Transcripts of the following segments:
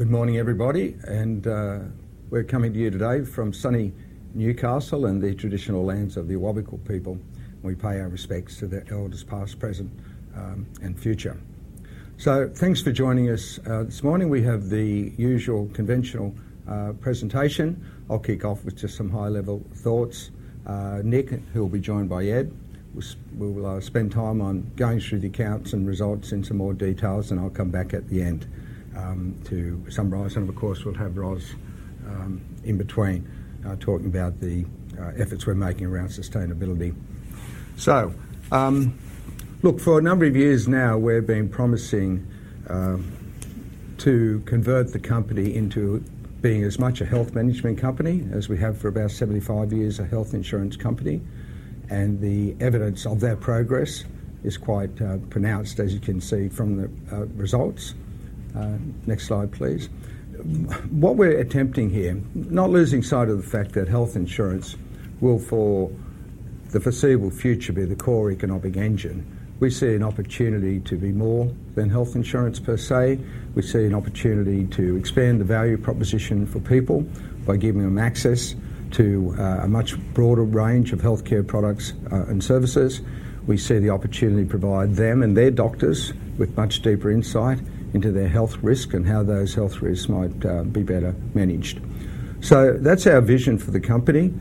Good morning, everybody, and we're coming to you today from sunny Newcastle, in the traditional lands of the Awabakal people. We pay our respects to their elders, past, present, and future. Thanks for joining us. This morning, we have the usual conventional presentation. I'll kick off with just some high-level thoughts. Nick, who will be joined by Ed, will spend time going through the accounts and results in some more details, and I'll come back at the end to summarize. Of course, we'll have Ros in between talking about the efforts we're making around sustainability. So, look, for a number of years now, we've been promising to convert the company into being as much a health management company as we have for about seventy-five years, a health insurance company, and the evidence of that progress is quite pronounced, as you can see from the results. Next slide, please. What we're attempting here, not losing sight of the fact that health insurance will, for the foreseeable future, be the core economic engine, we see an opportunity to be more than health insurance per se. We see an opportunity to expand the value proposition for people by giving them access to a much broader range of healthcare products and services. We see the opportunity to provide them and their doctors with much deeper insight into their health risk and how those health risks might be better managed. So that's our vision for the company.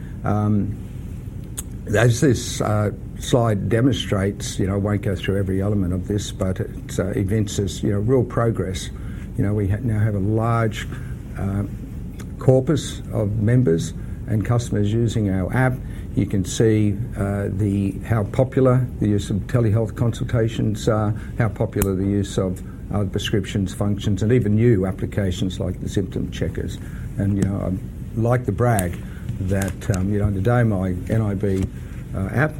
As this slide demonstrates, you know, I won't go through every element of this, but it evinces, you know, real progress. You know, we now have a large corpus of members and customers using our app. You can see how popular the use of telehealth consultations are, how popular the use of our prescriptions functions, and even new applications like the symptom checkers. You know, I'd like to brag that, you know, today, my nib app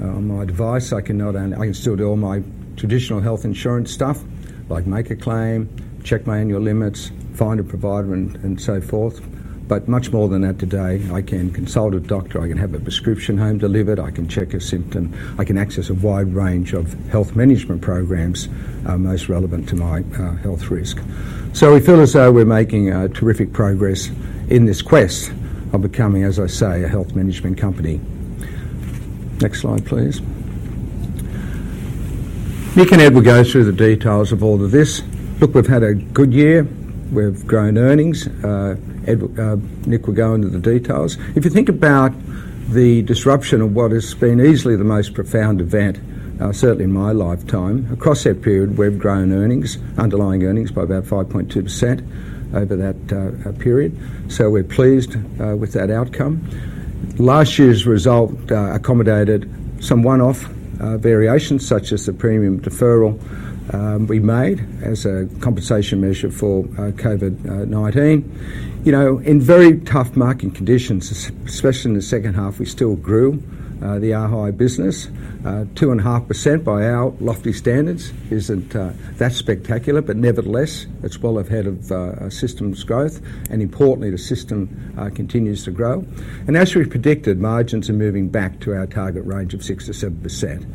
on my device, I can not only, I can still do all my traditional health insurance stuff, like make a claim, check my annual limits, find a provider, and so forth, but much more than that today, I can consult a doctor, I can have a prescription home delivered, I can check a symptom, I can access a wide range of health management programs, most relevant to my health risk. So we feel as though we're making terrific progress in this quest of becoming, as I say, a health management company. Next slide, please. Nick and Ed will go through the details of all of this. Look, we've had a good year. We've grown earnings. Ed, Nick will go into the details. If you think about the disruption of what has been easily the most profound event, certainly in my lifetime, across that period, we've grown earnings, underlying earnings, by about 5.2% over that period. So we're pleased with that outcome. Last year's result accommodated some one-off variations, such as the premium deferral we made as a compensation measure for COVID-19. You know, in very tough market conditions, especially in the second half, we still grew the ARHI business. 2.5% by our lofty standards isn't that spectacular, but nevertheless, it's well ahead of our system's growth, and importantly, the system continues to grow, and as we predicted, margins are moving back to our target range of 6%-7%.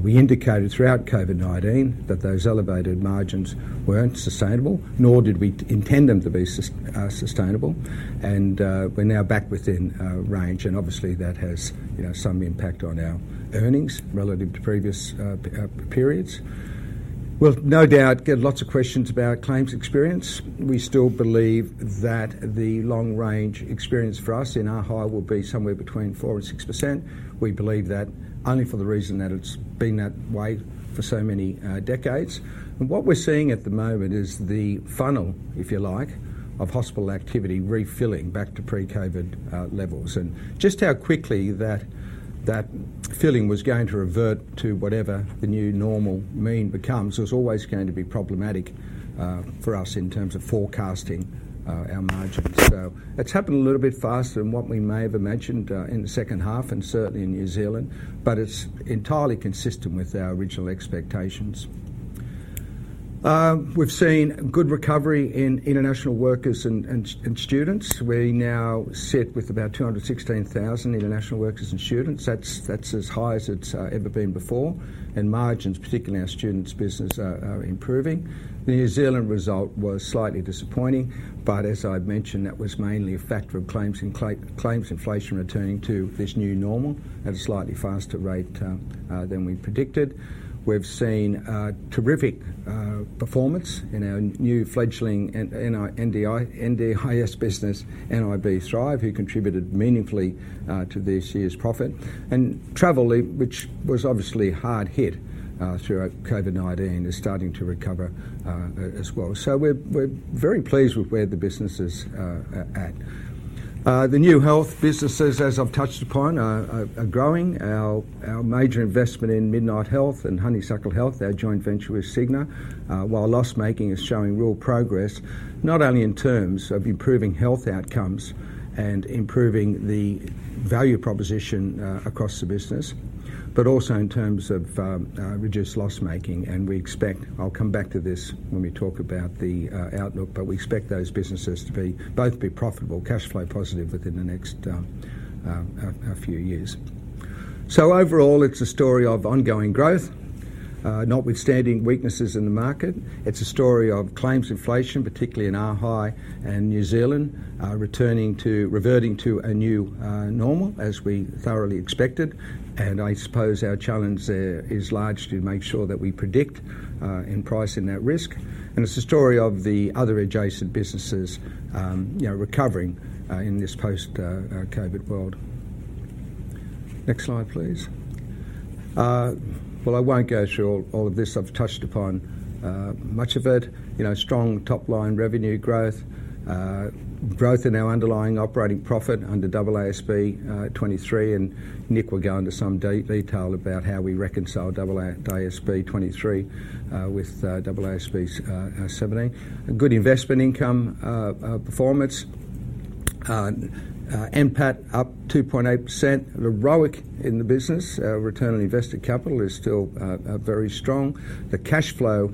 We indicated throughout COVID-19 that those elevated margins weren't sustainable, nor did we intend them to be sustainable, and we're now back within range, and obviously, that has, you know, some impact on our earnings relative to previous periods. We'll no doubt get lots of questions about our claims experience. We still believe that the long-range experience for us in ARHI will be somewhere between 4% and 6%. We believe that only for the reason that it's been that way for so many decades. What we're seeing at the moment is the funnel, if you like, of hospital activity refilling back to pre-COVID levels, and just how quickly that filling was going to revert to whatever the new normal mean becomes, was always going to be problematic for us in terms of forecasting our margins. So it's happened a little bit faster than what we may have imagined, in the second half, and certainly in New Zealand, but it's entirely consistent with our original expectations. We've seen good recovery in international workers and students. We now sit with about 216,000 international workers and students. That's as high as it's ever been before. And margins, particularly our students business, are improving. The New Zealand result was slightly disappointing, but as I've mentioned, that was mainly a factor of claims inflation returning to this new normal at a slightly faster rate than we predicted. We've seen terrific performance in our new fledgling NDIS business, nib Thrive, who contributed meaningfully to this year's profit. Travel, which was obviously hard hit throughout COVID-19, is starting to recover as well. We're very pleased with where the business is at. The new health businesses, as I've touched upon, are growing. Our major investment in Midnight Health and Honeysuckle Health, our joint venture with Cigna, while loss-making, is showing real progress, not only in terms of improving health outcomes and improving the value proposition across the business, but also in terms of reduced loss making. We expect... I'll come back to this when we talk about the outlook, but we expect those businesses to be profitable, cash flow positive within the next few years.... Overall, it's a story of ongoing growth, notwithstanding weaknesses in the market. It's a story of claims inflation, particularly in ARHI and New Zealand, reverting to a new normal, as we thoroughly expected, and I suppose our challenge there is largely to make sure that we predict in pricing that risk, and it's a story of the other adjacent businesses, you know, recovering in this post-COVID world. Next slide, please. I won't go through all of this. I've touched upon much of it. You know, strong top line revenue growth. Growth in our underlying operating profit under AASB 1023, and Nick will go into some detail about how we reconcile AASB 1023 with AASB 17. A good investment income performance. NPAT up 2.8%. ROIC in the business, return on invested capital, is still very strong. The cash flow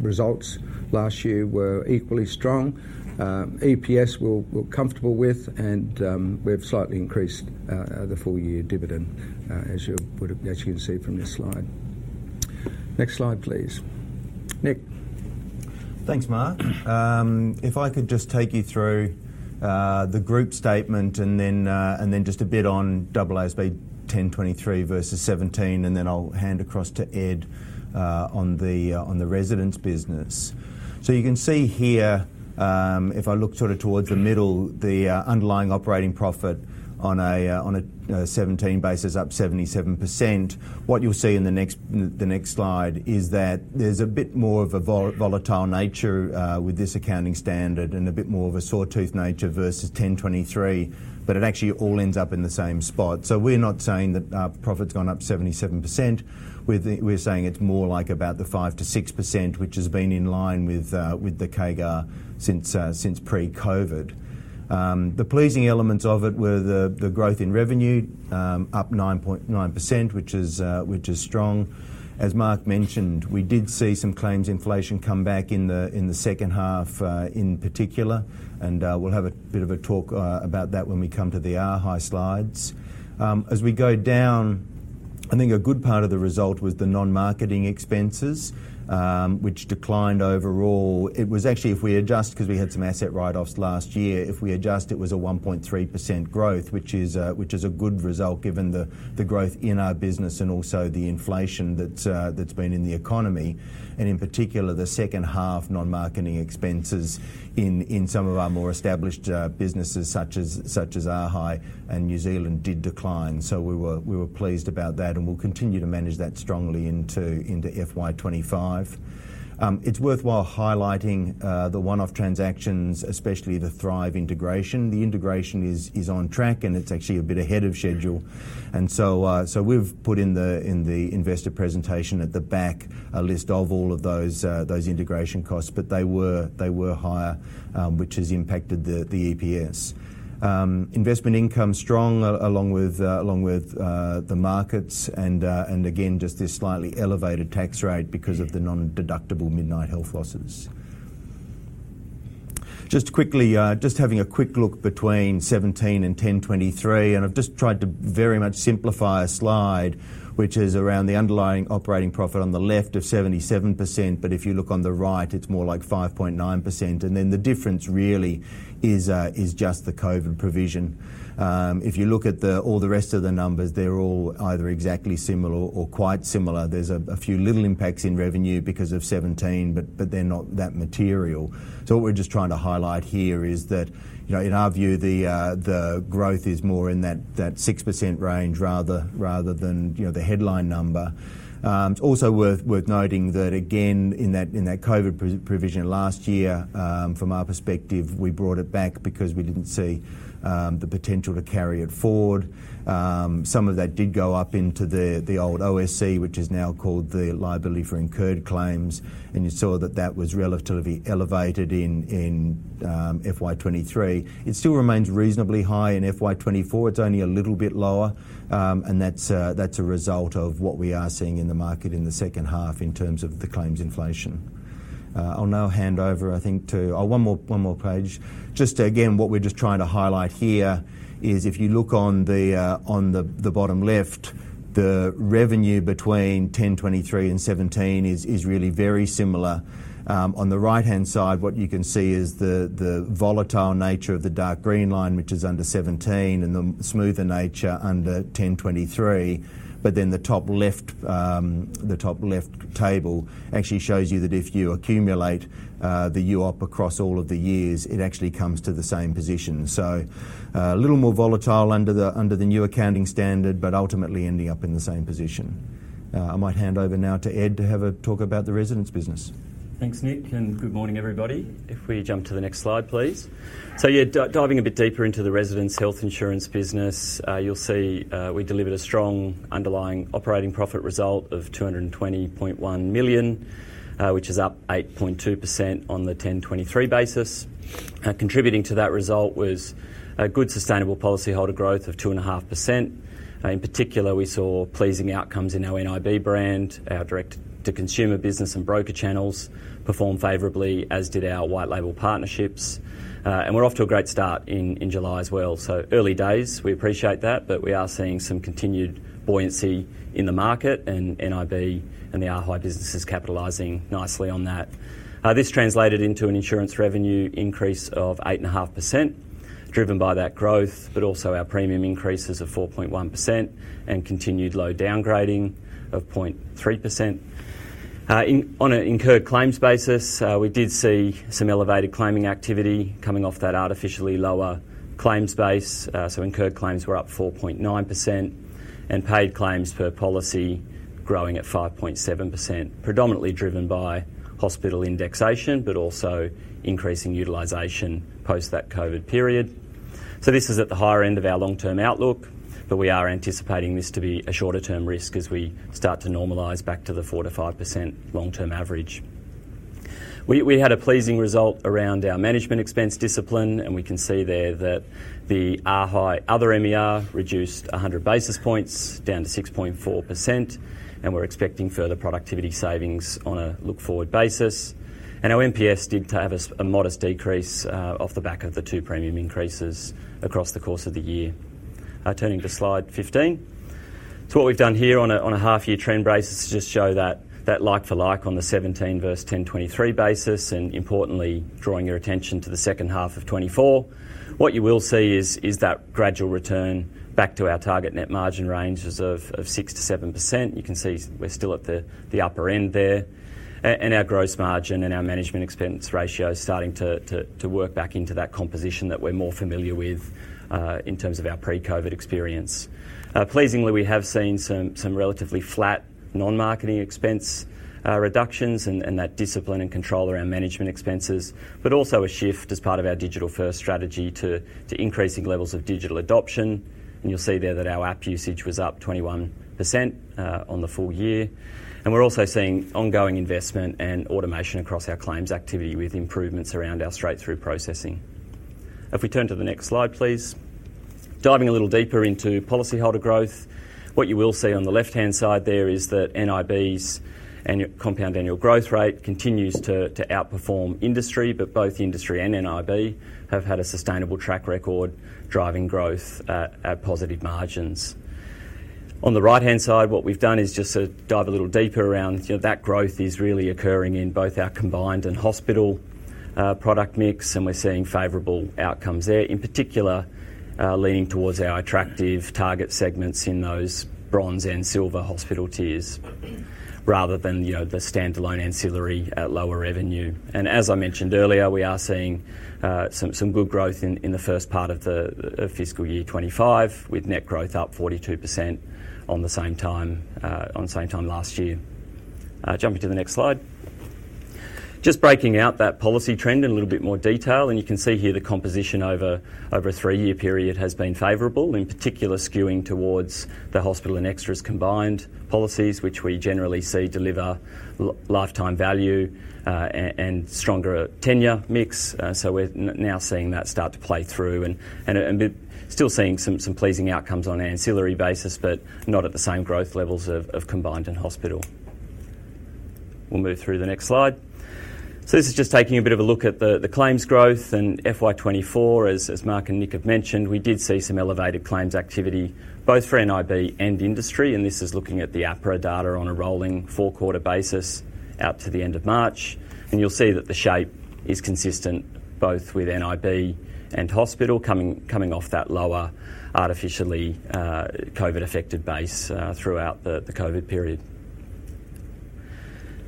results last year were equally strong. EPS, we're comfortable with, and we've slightly increased the full year dividend, as you would've, as you can see from this slide. Next slide, please. Nick? Thanks, Mark. If I could just take you through the group statement and then just a bit on AASB 1023 versus 17, and then I'll hand across to Ed on the residents business. So you can see here, if I look sort of towards the middle, the underlying operating profit on a 17 basis up 77%. What you'll see in the next slide is that there's a bit more of a volatile nature with this accounting standard and a bit more of a sawtooth nature versus 1023, but it actually all ends up in the same spot. So we're not saying that our profit's gone up 77%. We're saying it's more like about the 5%-6%, which has been in line with the CAGR since pre-COVID. The pleasing elements of it were the growth in revenue up 9%, which is strong. As Mark mentioned, we did see some claims inflation come back in the second half in particular, and we'll have a bit of a talk about that when we come to the ARHI slides. As we go down, I think a good part of the result was the non-marketing expenses, which declined overall. It was actually, if we adjust, because we had some asset write-offs last year, if we adjust, it was a 1.3% growth, which is, which is a good result given the, the growth in our business and also the inflation that's, that's been in the economy, and in particular, the second half non-marketing expenses in, in some of our more established, businesses such as, such as ARHI and New Zealand did decline. So we were, we were pleased about that, and we'll continue to manage that strongly into, into FY 2025. It's worthwhile highlighting, the one-off transactions, especially the Thrive integration. The integration is on track, and it's actually a bit ahead of schedule, and so we've put in the investor presentation at the back a list of all of those integration costs, but they were higher, which has impacted the EPS. Investment income strong along with the markets and again just this slightly elevated tax rate because of the non-deductible Midnight Health losses. Just quickly, just having a quick look between AASB 17 and AASB 1023, and I've just tried to very much simplify a slide, which is around the underlying operating profit on the left of 77%, but if you look on the right, it's more like 5.9%, and then the difference really is just the COVID provision. If you look at all the rest of the numbers, they're all either exactly similar or quite similar. There's a few little impacts in revenue because of 17, but they're not that material. So what we're just trying to highlight here is that, you know, in our view, the growth is more in that 6% range rather than, you know, the headline number. It's also worth noting that again, in that COVID pre-provision last year, from our perspective, we brought it back because we didn't see the potential to carry it forward. Some of that did go up into the old OSC, which is now called the liability for incurred claims, and you saw that that was relatively elevated in FY 2023. It still remains reasonably high in FY 2024. It's only a little bit lower, and that's a result of what we are seeing in the market in the second half in terms of the claims inflation. I'll now hand over, I think, to... Oh, one more, one more page. Just again, what we're just trying to highlight here is if you look on the bottom left, the revenue between 1023 and 17 is really very similar. On the right-hand side, what you can see is the volatile nature of the dark green line, which is under 17, and the smoother nature under 1023, but then the top left table actually shows you that if you accumulate the UOP across all of the years, it actually comes to the same position. A little more volatile under the new accounting standard, but ultimately ending up in the same position. I might hand over now to Ed to have a talk about the residents business. Thanks, Nick, and good morning, everybody. If we jump to the next slide, please. So yeah, diving a bit deeper into the residents' health insurance business, you'll see, we delivered a strong underlying operating profit result of 220.1 million, which is up 8.2% on the 1H 2023 basis. Contributing to that result was a good sustainable policyholder growth of 2.5%. In particular, we saw pleasing outcomes in our nib brand, our direct-to-consumer business and broker channels performed favorably, as did our white label partnerships. And we're off to a great start in July as well. So early days, we appreciate that, but we are seeing some continued buoyancy in the market, and nib and the ARHI business is capitalizing nicely on that. This translated into an insurance revenue increase of 8.5%, driven by that growth, but also our premium increases of 4.1% and continued low downgrading of 0.3%. On an incurred claims basis, we did see some elevated claiming activity coming off that artificially lower claims base. So incurred claims were up 4.9%, and paid claims per policy growing at 5.7%, predominantly driven by hospital indexation, but also increasing utilization post that COVID period. So this is at the higher end of our long-term outlook, but we are anticipating this to be a shorter-term risk as we start to normalize back to the 4%-5% long-term average. We had a pleasing result around our management expense discipline, and we can see there that the ARHI Other MER reduced 100 basis points down to 6.4%, and we're expecting further productivity savings on a look-forward basis. Our NPS did have a modest decrease off the back of the 2 premium increases across the course of the year. Turning to slide 15. So what we've done here on a half-year trend basis is just show that like for like on the 17 versus 1023 basis, and importantly, drawing your attention to the second half of 2024, what you will see is that gradual return back to our target net margin ranges of 6%-7%. You can see we're still at the upper end there. Our gross margin and our management expense ratio is starting to work back into that composition that we're more familiar with in terms of our pre-COVID experience. Pleasingly, we have seen some relatively flat non-marketing expense reductions, and that discipline and control around management expenses, but also a shift as part of our digital-first strategy to increasing levels of digital adoption, and you'll see there that our app usage was up 21% on the full year. We're also seeing ongoing investment and automation across our claims activity, with improvements around our straight-through processing. If we turn to the next slide, please. Diving a little deeper into policyholder growth, what you will see on the left-hand side there is that nib's compound annual growth rate continues to outperform industry, but both industry and nib have had a sustainable track record, driving growth at positive margins. On the right-hand side, what we've done is just to dive a little deeper around. You know, that growth is really occurring in both our combined and hospital product mix, and we're seeing favorable outcomes there, in particular, leaning towards our attractive target segments in those bronze and silver hospital tiers, rather than, you know, the standalone ancillary at lower revenue, and as I mentioned earlier, we are seeing some good growth in the first part of the fiscal year 2025, with net growth up 42% on the same time last year. Jumping to the next slide. Just breaking out that policy trend in a little bit more detail, and you can see here the composition over a three-year period has been favorable, in particular, skewing towards the hospital and extras combined policies, which we generally see deliver lifetime value and stronger tenure mix. So we're now seeing that start to play through and but still seeing some pleasing outcomes on an ancillary basis, but not at the same growth levels of combined and hospital. We'll move through the next slide. This is just taking a bit of a look at the claims growth, and FY 2024, as Mark and Nick have mentioned, we did see some elevated claims activity, both for nib and industry, and this is looking at the APRA data on a rolling 4-quarter basis out to the end of March. You'll see that the shape is consistent both with nib and hospital coming off that lower, artificially COVID-affected base throughout the COVID period.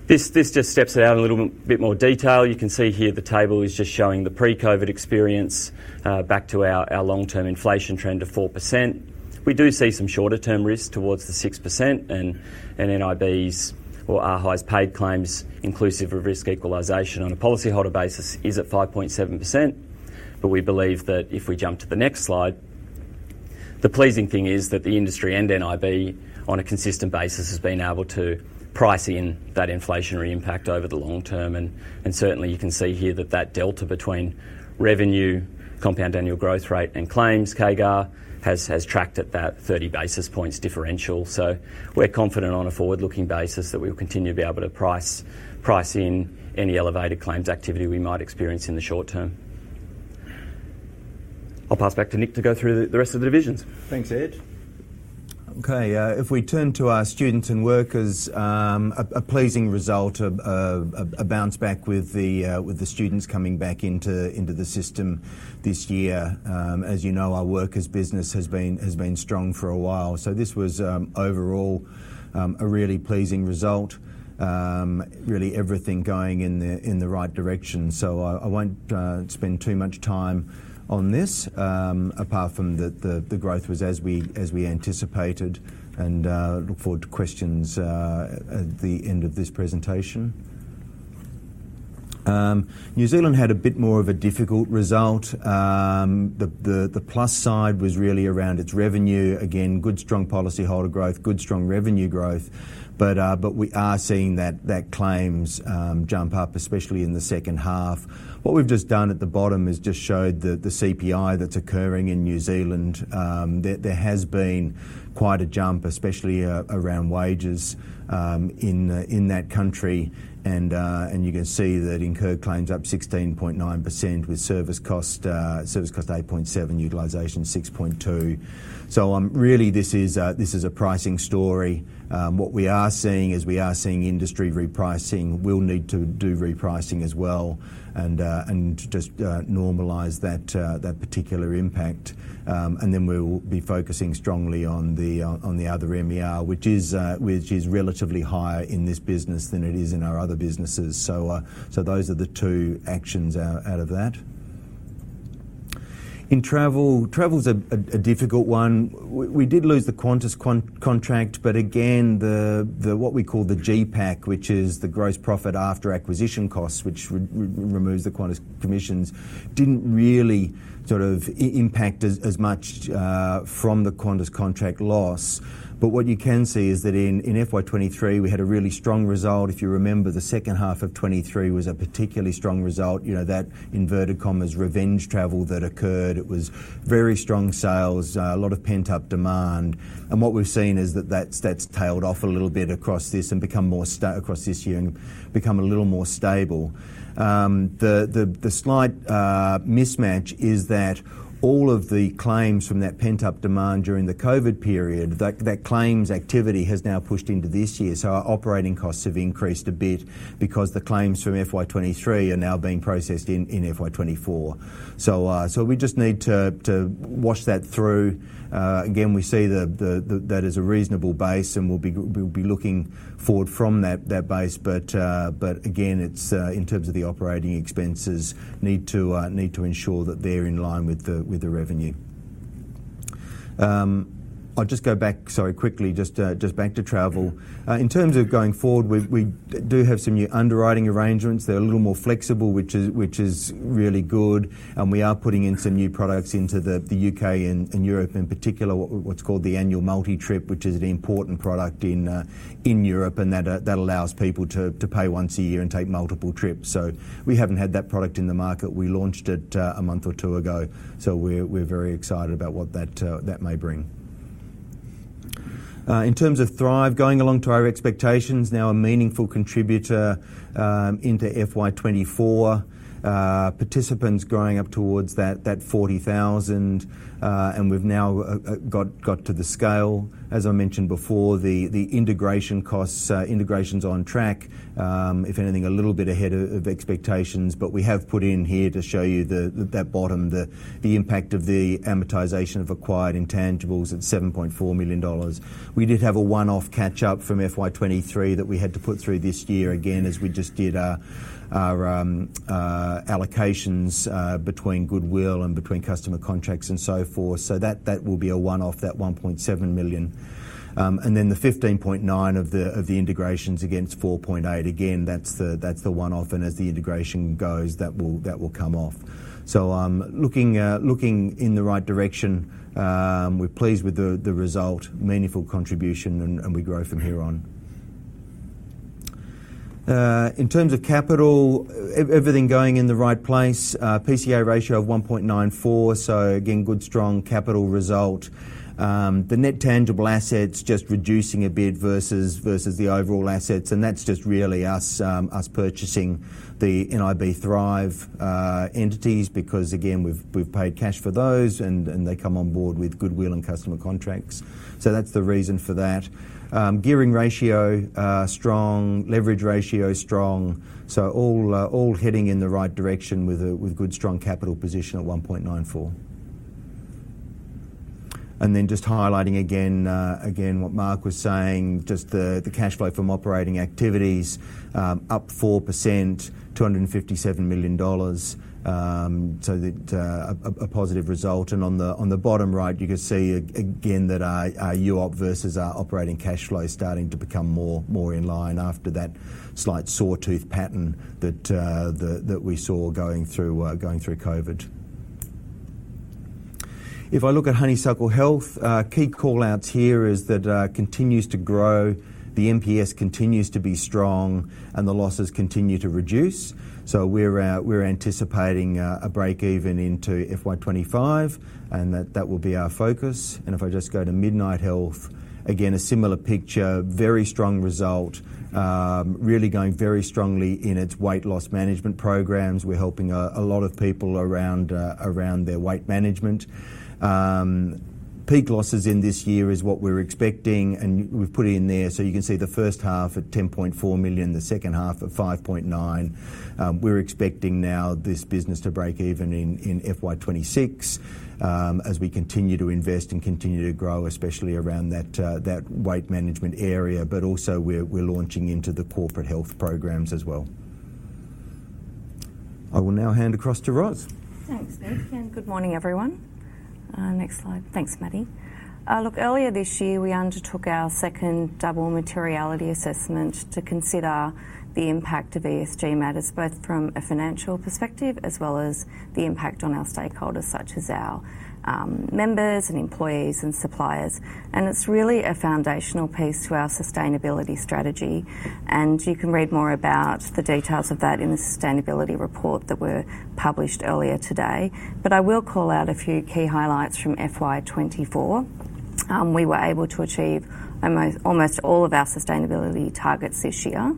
This just steps it out in a little bit more detail. You can see here the table is just showing the pre-COVID experience back to our long-term inflation trend of 4%. We do see some shorter-term risk towards the 6% and nib's or ARHI's paid claims, inclusive of risk equalisation on a policyholder basis, is at 5.7%. But we believe that if we jump to the next slide, the pleasing thing is that the industry and nib, on a consistent basis, has been able to price in that inflationary impact over the long term, and certainly you can see here that that delta between revenue, compound annual growth rate, and claims CAGR has tracked at that 30 basis points differential. So we're confident on a forward-looking basis that we'll continue to be able to price in any elevated claims activity we might experience in the short term. I'll pass back to Nick to go through the rest of the divisions. Thanks, Ed. Okay, if we turn to our students and workers, a pleasing result, a bounce back with the students coming back into the system this year. As you know, our workers business has been strong for a while, so this was overall a really pleasing result. Really everything going in the right direction, so I won't spend too much time on this, apart from the growth was as we anticipated, and look forward to questions at the end of this presentation. New Zealand had a bit more of a difficult result. The plus side was really around its revenue. Again, good, strong policyholder growth, good, strong revenue growth, but we are seeing that claims jump up, especially in the second half. What we've just done at the bottom is just showed the CPI that's occurring in New Zealand. There has been quite a jump, especially around wages in that country, and you can see that incurred claims up 16.9% with service cost 8.7, utilization 6.2. So, really this is a pricing story. What we are seeing is we are seeing industry repricing. We'll need to do repricing as well and just normalize that particular impact. And then we'll be focusing strongly on the other MER, which is relatively higher in this business than it is in our other businesses. So those are the two actions out of that. In travel, travel's a difficult one. We did lose the Qantas contract, but again, the what we call the GPAC, which is the gross profit after acquisition costs, which removes the Qantas commissions, didn't really sort of impact as much from the Qantas contract loss. But what you can see is that in FY 2023, we had a really strong result. If you remember, the second half of 2023 was a particularly strong result. You know, that, inverted commas, "revenge travel" that occurred, it was very strong sales, a lot of pent-up demand. And what we've seen is that that's tailed off a little bit across this year and become a little more stable. The slight mismatch is that all of the claims from that pent-up demand during the COVID period, that claims activity has now pushed into this year, so our operating costs have increased a bit because the claims from FY 2023 are now being processed in FY 2024. So we just need to wash that through. Again, we see that as a reasonable base, and we'll be looking forward from that base, but again, it's in terms of the operating expenses, need to ensure that they're in line with the revenue. I'll just go back, sorry, quickly, back to travel. In terms of going forward, we do have some new underwriting arrangements. They're a little more flexible, which is really good, and we are putting in some new products into the U.K. and Europe in particular, what's called the annual multi-trip, which is an important product in Europe, and that allows people to pay once a year and take multiple trips. So we haven't had that product in the market. We launched it a month or two ago, so we're very excited about what that may bring. In terms of Thrive, going along to our expectations, now a meaningful contributor into FY 2024. Participants growing up towards that 40,000, and we've now got to the scale. As I mentioned before, the integration costs, integration's on track, if anything, a little bit ahead of expectations, but we have put in here to show you the that bottom, the impact of the amortization of acquired intangibles of 7.4 million dollars. We did have a one-off catch-up from FY 2023 that we had to put through this year again, as we just did our allocations between goodwill and between customer contracts and so forth. So that will be a one-off, that 1.7 million. And then the 15.9 of the integrations against 4.8, again, that's the one-off, and as the integration goes, that will come off. So, looking in the right direction, we're pleased with the result, meaningful contribution, and we grow from here on. In terms of capital, everything going in the right place. PCA ratio of 1.94, so again, good, strong capital result. The net tangible assets just reducing a bit versus the overall assets, and that's just really us purchasing the nib Thrive entities, because, again, we've paid cash for those, and they come on board with goodwill and customer contracts. So that's the reason for that. Gearing ratio strong, leverage ratio strong, so all heading in the right direction with good, strong capital position of 1.94. Then just highlighting again, again, what Mark was saying, just the cash flow from operating activities, up 4%, 257 million dollars, so that a positive result, and on the bottom right, you can see again, that our UOP versus our operating cash flow is starting to become more in line after that slight sawtooth pattern that we saw going through COVID. If I look at Honeysuckle Health, key call-outs here is that continues to grow, the NPS continues to be strong, and the losses continue to reduce. So we're anticipating a break-even into FY 2025, and that will be our focus. If I just go to Midnight Health, again, a similar picture, very strong result. Really going very strongly in its weight loss management programs. We're helping a lot of people around their weight management. Peak losses in this year is what we're expecting, and we've put in there, so you can see the first half at 10.4 million, the second half at 5.9 million. We're expecting now this business to break even in FY 2026, as we continue to invest and continue to grow, especially around that weight management area, but also we're launching into the corporate health programs as well. I will now hand across to Ros. Thanks, Nick, and good morning, everyone. Next slide. Thanks, Maddie. Look, earlier this year, we undertook our second double materiality assessment to consider the impact of ESG matters, both from a financial perspective as well as the impact on our stakeholders, such as our members and employees and suppliers, and it's really a foundational piece to our sustainability strategy, and you can read more about the details of that in the sustainability report that were published earlier today. But I will call out a few key highlights from FY 2024. We were able to achieve almost all of our sustainability targets this year,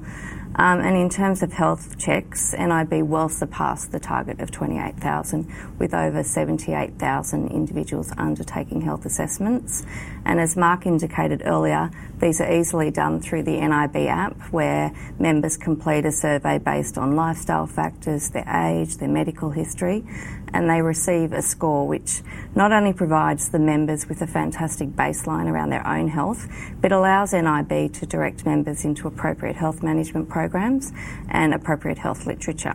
and in terms of health checks, nib well surpassed the target of 28,000, with over 78,000 individuals undertaking health assessments. As Mark indicated earlier, these are easily done through the nib app, where members complete a survey based on lifestyle factors, their age, their medical history, and they receive a score which not only provides the members with a fantastic baseline around their own health, but allows nib to direct members into appropriate health management programs and appropriate health literature.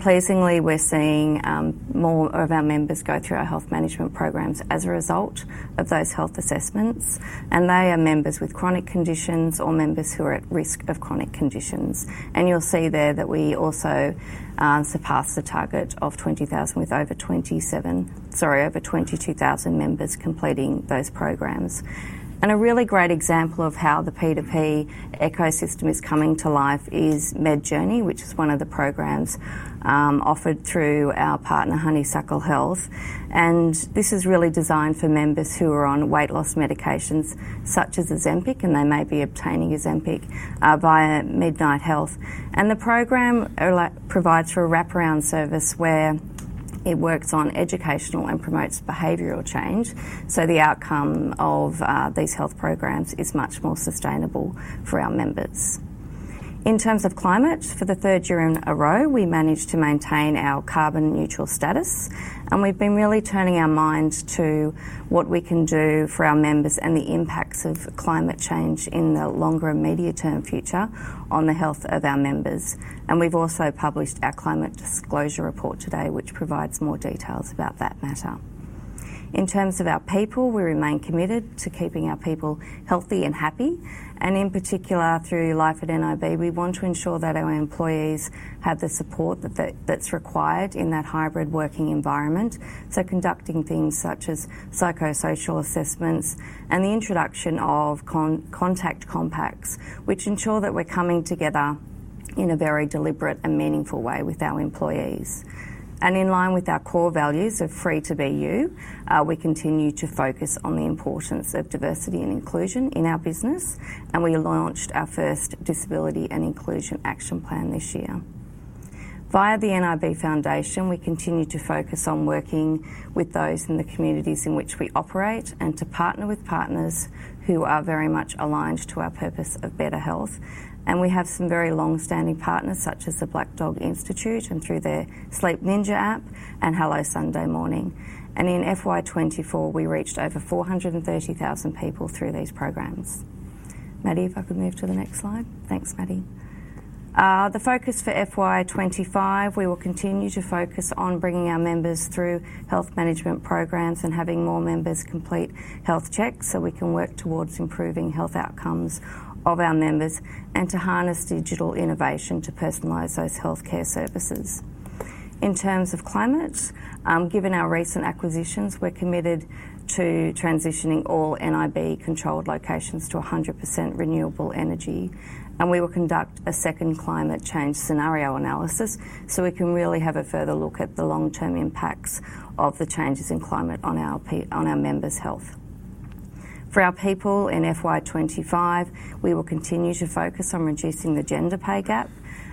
Pleasingly, we're seeing more of our members go through our health management programs as a result of those health assessments. And they are members with chronic conditions or members who are at risk of chronic conditions. And you'll see there that we also surpassed the target of 20,000, with over 22,000 members completing those programs. A really great example of how the P2P ecosystem is coming to life is MyJourney, which is one of the programs, offered through our partner, Honeysuckle Health. This is really designed for members who are on weight loss medications such as Ozempic, and they may be obtaining Ozempic, via Midnight Health. The program, like, provides for a wraparound service, where it works on educational and promotes behavioral change, so the outcome of, these health programs is much more sustainable for our members. In terms of climate, for the third year in a row, we managed to maintain our carbon neutral status, and we've been really turning our minds to what we can do for our members and the impacts of climate change in the longer and medium-term future on the health of our members. And we've also published our climate disclosure report today, which provides more details about that matter. In terms of our people, we remain committed to keeping our people healthy and happy, and in particular, through Life at nib, we want to ensure that our employees have the support that's required in that hybrid working environment. So conducting things such as psychosocial assessments and the introduction of contact compacts, which ensure that we're coming together in a very deliberate and meaningful way with our employees. And in line with our core values of Free to Be You, we continue to focus on the importance of diversity and inclusion in our business, and we launched our first disability and inclusion action plan this year. Via the nib Foundation, we continue to focus on working with those in the communities in which we operate, and to partner with partners who are very much aligned to our purpose of better health. And we have some very long-standing partners, such as the Black Dog Institute, and through their Sleep Ninja app, and Hello Sunday Morning. And in FY 2024, we reached over 430,000 people through these programs. Maddie, if I could move to the next slide. Thanks, Maddie. The focus for FY 2025, we will continue to focus on bringing our members through health management programs and having more members complete health checks, so we can work towards improving health outcomes of our members, and to harness digital innovation to personalize those healthcare services. In terms of climate, given our recent acquisitions, we're committed to transitioning all nib-controlled locations to 100% renewable energy, and we will conduct a second climate change scenario analysis, so we can really have a further look at the long-term impacts of the changes in climate on our members' health. For our people in FY 2025, we will continue to focus on reducing the gender pay gap,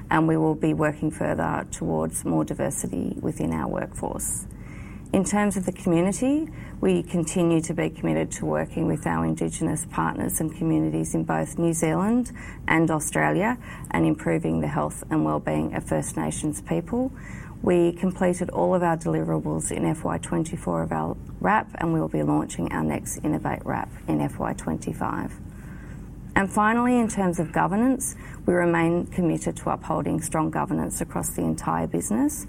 and we will be working further towards more diversity within our workforce. In terms of the community, we continue to be committed to working with our indigenous partners and communities in both New Zealand and Australia, and improving the health and well-being of First Nations people. We completed all of our deliverables in FY 2024 of our RAP, and we will be launching our next Innovate RAP in FY 2025. Finally, in terms of governance, we remain committed to upholding strong governance across the entire business.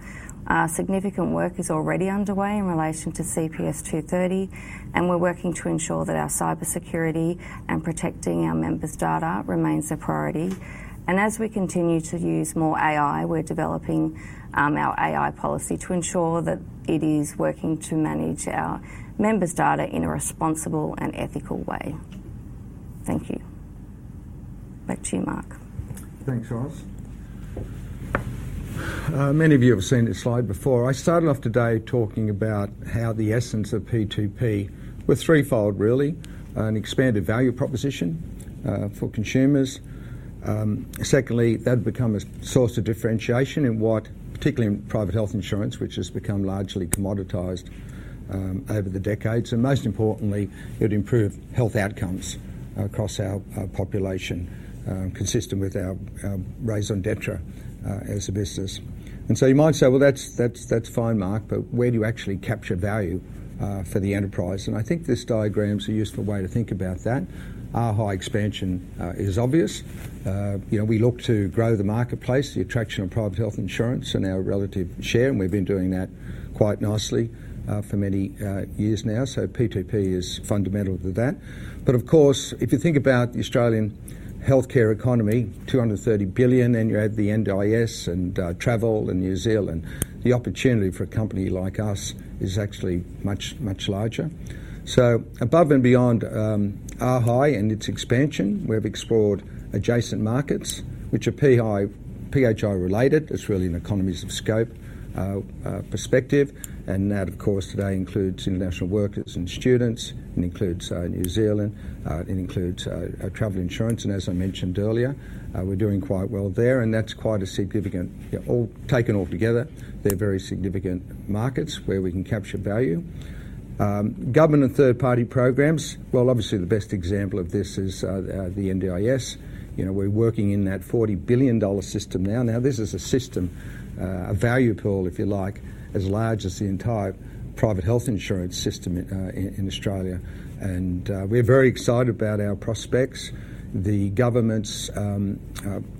Significant work is already underway in relation to CPS 230, and we're working to ensure that our cybersecurity and protecting our members' data remains a priority. As we continue to use more AI, we're developing our AI policy to ensure that it is working to manage our members' data in a responsible and ethical way. Thank you. Back to you, Mark. Thanks, Ros. Many of you have seen this slide before. I started off today talking about how the essence of P2P were threefold, really: an expanded value proposition for consumers. Secondly, that'd become a source of differentiation in what, particularly in private health insurance, which has become largely commoditized over the decades. And most importantly, it improved health outcomes across our population, consistent with our raison d'être as a business. And so you might say: "Well, that's fine, Mark, but where do you actually capture value for the enterprise?" And I think this diagram is a useful way to think about that. Our high expansion is obvious. You know, we look to grow the marketplace, the attraction of private health insurance and our relative share, and we've been doing that quite nicely, for many years now. So P2P is fundamental to that. But of course, if you think about the Australian healthcare economy, 230 billion, and you add the NDIS and travel and New Zealand, the opportunity for a company like us is actually much, much larger. So above and beyond ARHI and it's expansion. We've explored adjacent markets, which are PHI, PHI-related. It's really an economies of scope perspective. And that, of course, today includes international workers and students. It includes New Zealand, it includes travel insurance, and as I mentioned earlier, we're doing quite well there, and that's quite a significant... All taken all together, they're very significant markets where we can capture value. Government and third-party programs, well, obviously, the best example of this is the NDIS. You know, we're working in that 40 billion dollar system now. Now, this is a system, a value pool, if you like, as large as the entire private health insurance system in Australia, and we're very excited about our prospects. The government's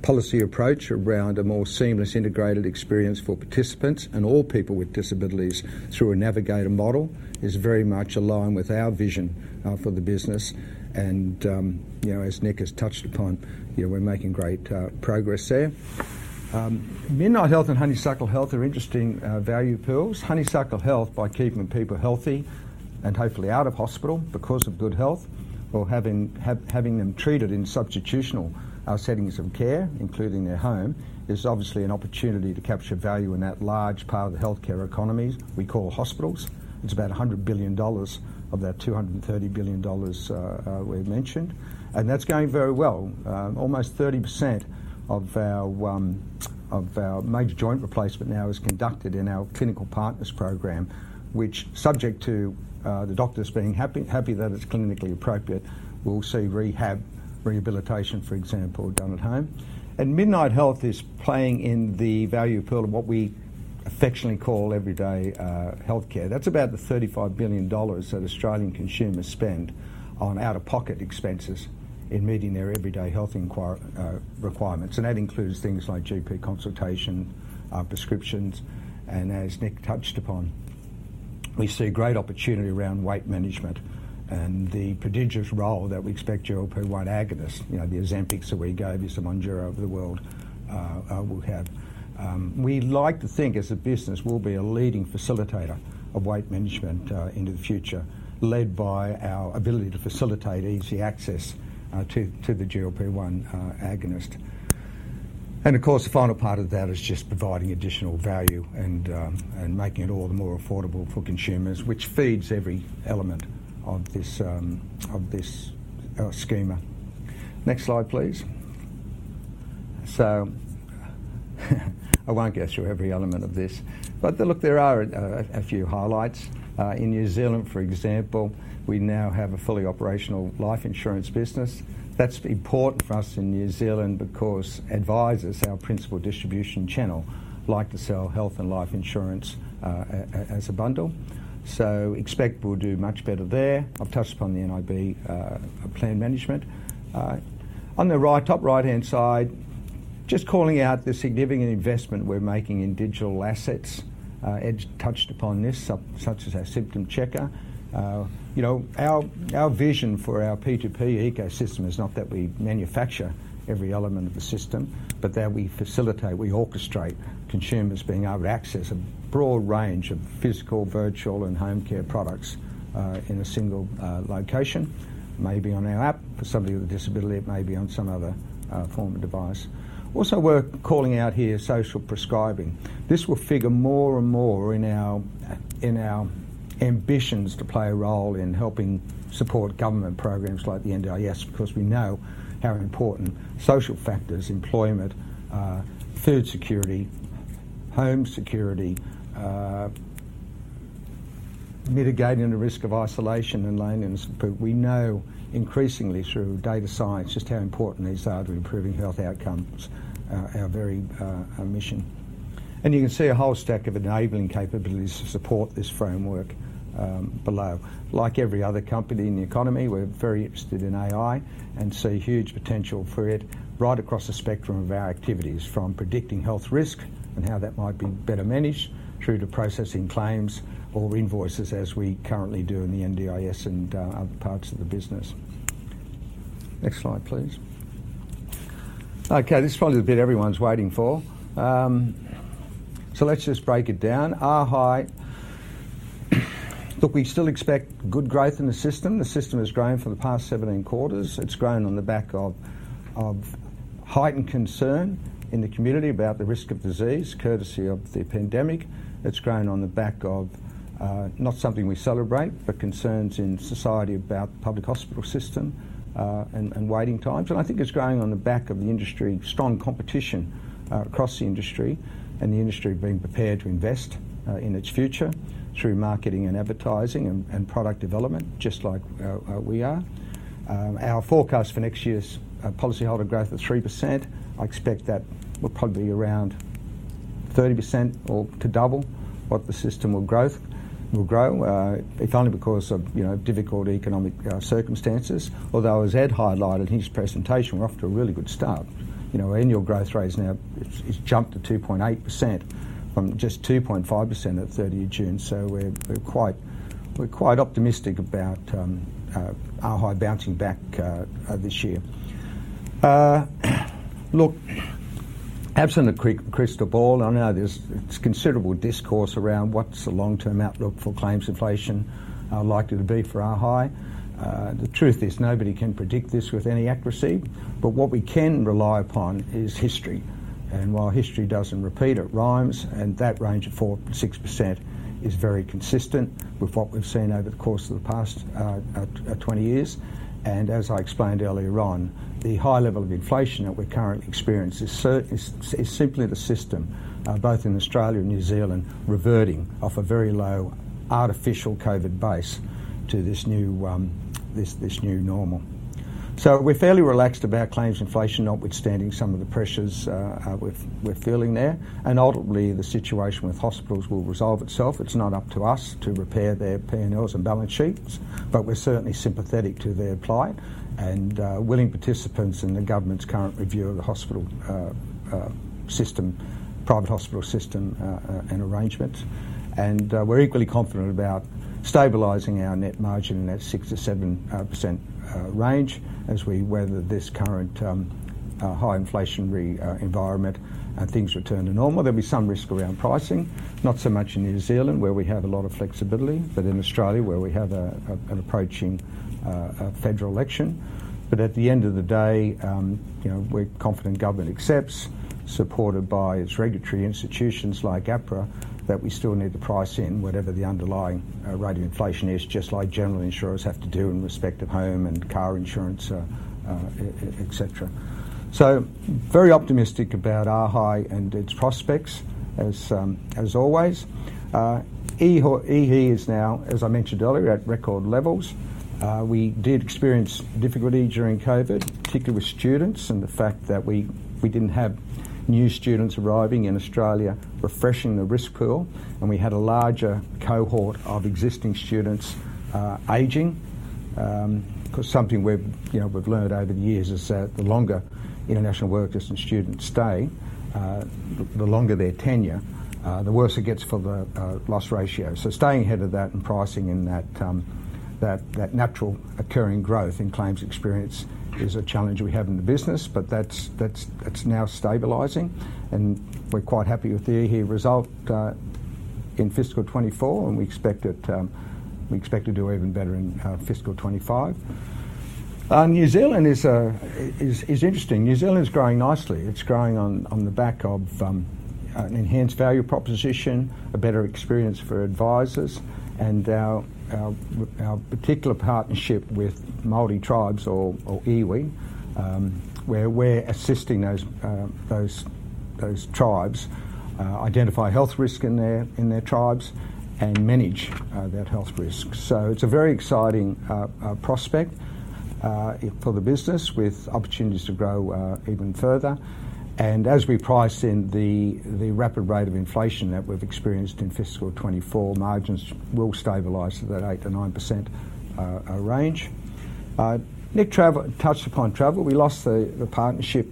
policy approach around a more seamless, integrated experience for participants and all people with disabilities through a Navigator model is very much aligned with our vision for the business. You know, as Nick has touched upon, you know, we're making great progress there. Midnight Health and Honeysuckle Health are interesting value pools. Honeysuckle Health, by keeping people healthy and hopefully out of hospital because of good health, or having them treated in substitutional settings of care, including their home, is obviously an opportunity to capture value in that large part of the healthcare economies we call hospitals. It's about 100 billion dollars of that 230 billion dollars we mentioned, and that's going very well. Almost 30% of our major joint replacement now is conducted in our Clinical Partners program, which, subject to the doctors being happy that it's clinically appropriate, we'll see rehab, rehabilitation, for example, done at home. And Midnight Health is playing in the value pool of what we affectionately call everyday healthcare. That's about the 35 billion dollars that Australian consumers spend on out-of-pocket expenses in meeting their everyday health requirements, and that includes things like GP consultation, prescriptions, and as Nick touched upon, we see great opportunity around weight management and the prodigious role that we expect GLP-1 agonist, you know, the Ozempics that we gave you, some Mounjaro of the world, will have. We like to think, as a business, we'll be a leading facilitator of weight management into the future, led by our ability to facilitate easy access to the GLP-1 agonist. And of course, the final part of that is just providing additional value and making it all the more affordable for consumers, which feeds every element of this schema. Next slide, please. I won't go through every element of this, but look, there are a few highlights. In New Zealand, for example, we now have a fully operational life insurance business. That's important for us in New Zealand because advisors, our principal distribution channel, like to sell health and life insurance as a bundle. So expect we'll do much better there. I've touched upon the nib Plan Management. On the right, top right-hand side, just calling out the significant investment we're making in digital assets. Ed touched upon this, such as our symptom checker. You know, our vision for our P2P ecosystem is not that we manufacture every element of the system, but that we facilitate, we orchestrate consumers being able to access a broad range of physical, virtual, and home care products in a single location, maybe on our app. For somebody with a disability, it may be on some other form of device. Also, we're calling out here social prescribing. This will figure more and more in our ambitions to play a role in helping support government programs like the NDIS, because we know how important social factors, employment, food security, home security, mitigating the risk of isolation and loneliness, but we know increasingly through data science, just how important these are to improving health outcomes, our very mission. You can see a whole stack of enabling capabilities to support this framework, below. Like every other company in the economy, we're very interested in AI, and see huge potential for it right across the spectrum of our activities, from predicting health risk and how that might be better managed, through to processing claims or invoices as we currently do in the NDIS and other parts of the business. Next slide, please. Okay, this is probably the bit everyone's waiting for. So let's just break it down. Look, we still expect good growth in the system. The system has grown for the past 17 quarters. It's grown on the back of heightened concern in the community about the risk of disease, courtesy of the pandemic. It's grown on the back of not something we celebrate, but concerns in society about public hospital system and waiting times. I think it's growing on the back of the industry strong competition across the industry and the industry being prepared to invest in its future through marketing and advertising and product development, just like we are. Our forecast for next year's policyholder growth is 3%. I expect that we'll probably be around 30%, or to double what the system will grow. It's only because of you know difficult economic circumstances. Although as Ed highlighted in his presentation, we're off to a really good start. You know, annual growth rate is now, it's jumped to 2.8% from just 2.5% at 30 June, so we're quite optimistic about our HI bouncing back this year. Look, absent a crystal ball, I know there's considerable discourse around what's the long-term outlook for claims inflation likely to be for our HI. The truth is, nobody can predict this with any accuracy, but what we can rely upon is history, and while history doesn't repeat, it rhymes, and that range of 4%-6% is very consistent with what we've seen over the course of the last 20 years. And as I explained earlier on, the high level of inflation that we're currently experiencing is simply the system both in Australia and New Zealand reverting off a very low artificial COVID base to this new normal. So we're fairly relaxed about claims inflation, notwithstanding some of the pressures we're feeling there, and ultimately the situation with hospitals will resolve itself. It's not up to us to repair their P&Ls and balance sheets, but we're certainly sympathetic to their plight and willing participants in the government's current review of the hospital system, private hospital system, and arrangement. And we're equally confident about stabilizing our net margin in that six to seven% range as we weather this current high inflationary environment and things return to normal. There'll be some risk around pricing, not so much in New Zealand, where we have a lot of flexibility, but in Australia, where we have an approaching federal election, but at the end of the day, you know, we're confident government accepts, supported by its regulatory institutions like APRA, that we still need to price in whatever the underlying rate of inflation is, just like general insurers have to do in respect of home and car insurance, et cetera, so very optimistic about ARHI and its prospects as always. IIHI is now, as I mentioned earlier, at record levels. We did experience difficulty during COVID, particularly with students, and the fact that we didn't have new students arriving in Australia, refreshing the risk pool, and we had a larger cohort of existing students aging. Because something we've, you know, we've learned over the years is that the longer international workers and students stay, the longer their tenure, the worse it gets for the loss ratio. So staying ahead of that and pricing in that natural occurring growth in claims experience is a challenge we have in the business, but that's it. It's now stabilizing, and we're quite happy with the IIHI result in fiscal 2024, and we expect it. We expect to do even better in fiscal 2025. New Zealand is interesting. New Zealand is growing nicely. It's growing on the back of an enhanced value proposition, a better experience for advisors, and our particular partnership with Maori tribes or iwi, where we're assisting those tribes identify health risk in their tribes and manage that health risk. So it's a very exciting prospect for the business, with opportunities to grow even further. And as we price in the rapid rate of inflation that we've experienced in fiscal 2024, margins will stabilize to that 8-9% range. Nick touched upon travel. We lost the partnership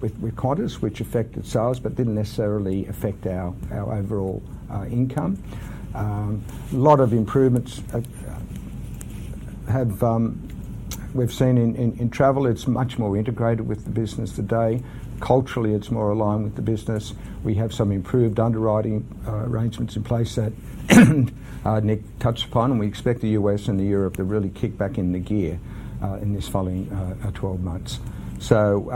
with Qantas, which affected sales but didn't necessarily affect our overall income. A lot of improvements we've seen in travel. It's much more integrated with the business today. Culturally, it's more aligned with the business. We have some improved underwriting arrangements in place that Nick touched upon, and we expect the U.S. and Europe to really kick back into gear in this following 12 months. So,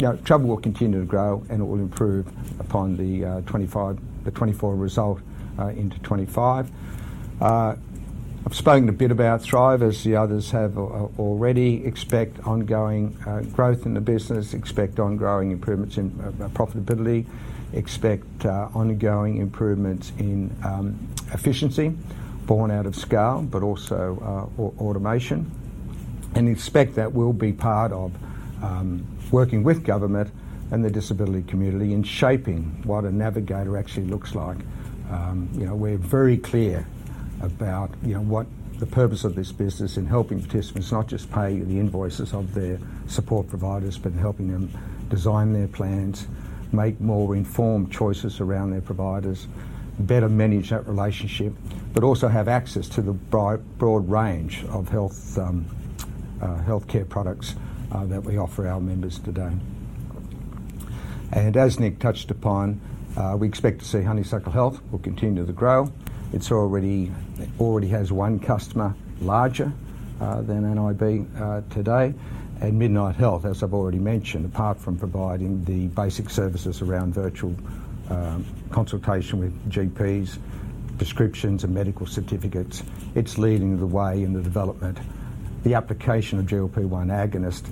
you know, travel will continue to grow, and it will improve upon the 2025... the 2024 result into 2025. I've spoken a bit about Thrive, as the others have already. Expect ongoing growth in the business, expect ongoing improvements in profitability, expect ongoing improvements in efficiency borne out of scale, but also automation. And expect that we'll be part of working with government and the disability community in shaping what a navigator actually looks like. You know, we're very clear about, you know, what the purpose of this business in helping participants, not just pay the invoices of their support providers, but helping them design their plans, make more informed choices around their providers, better manage that relationship, but also have access to the broad range of health, healthcare products that we offer our members today, and as Nick touched upon, we expect to see Honeysuckle Health will continue to grow. It already has one customer larger than nib today, and Midnight Health, as I've already mentioned, apart from providing the basic services around virtual consultation with GPs, prescriptions and medical certificates, it's leading the way in the development, the application of GLP-1 agonist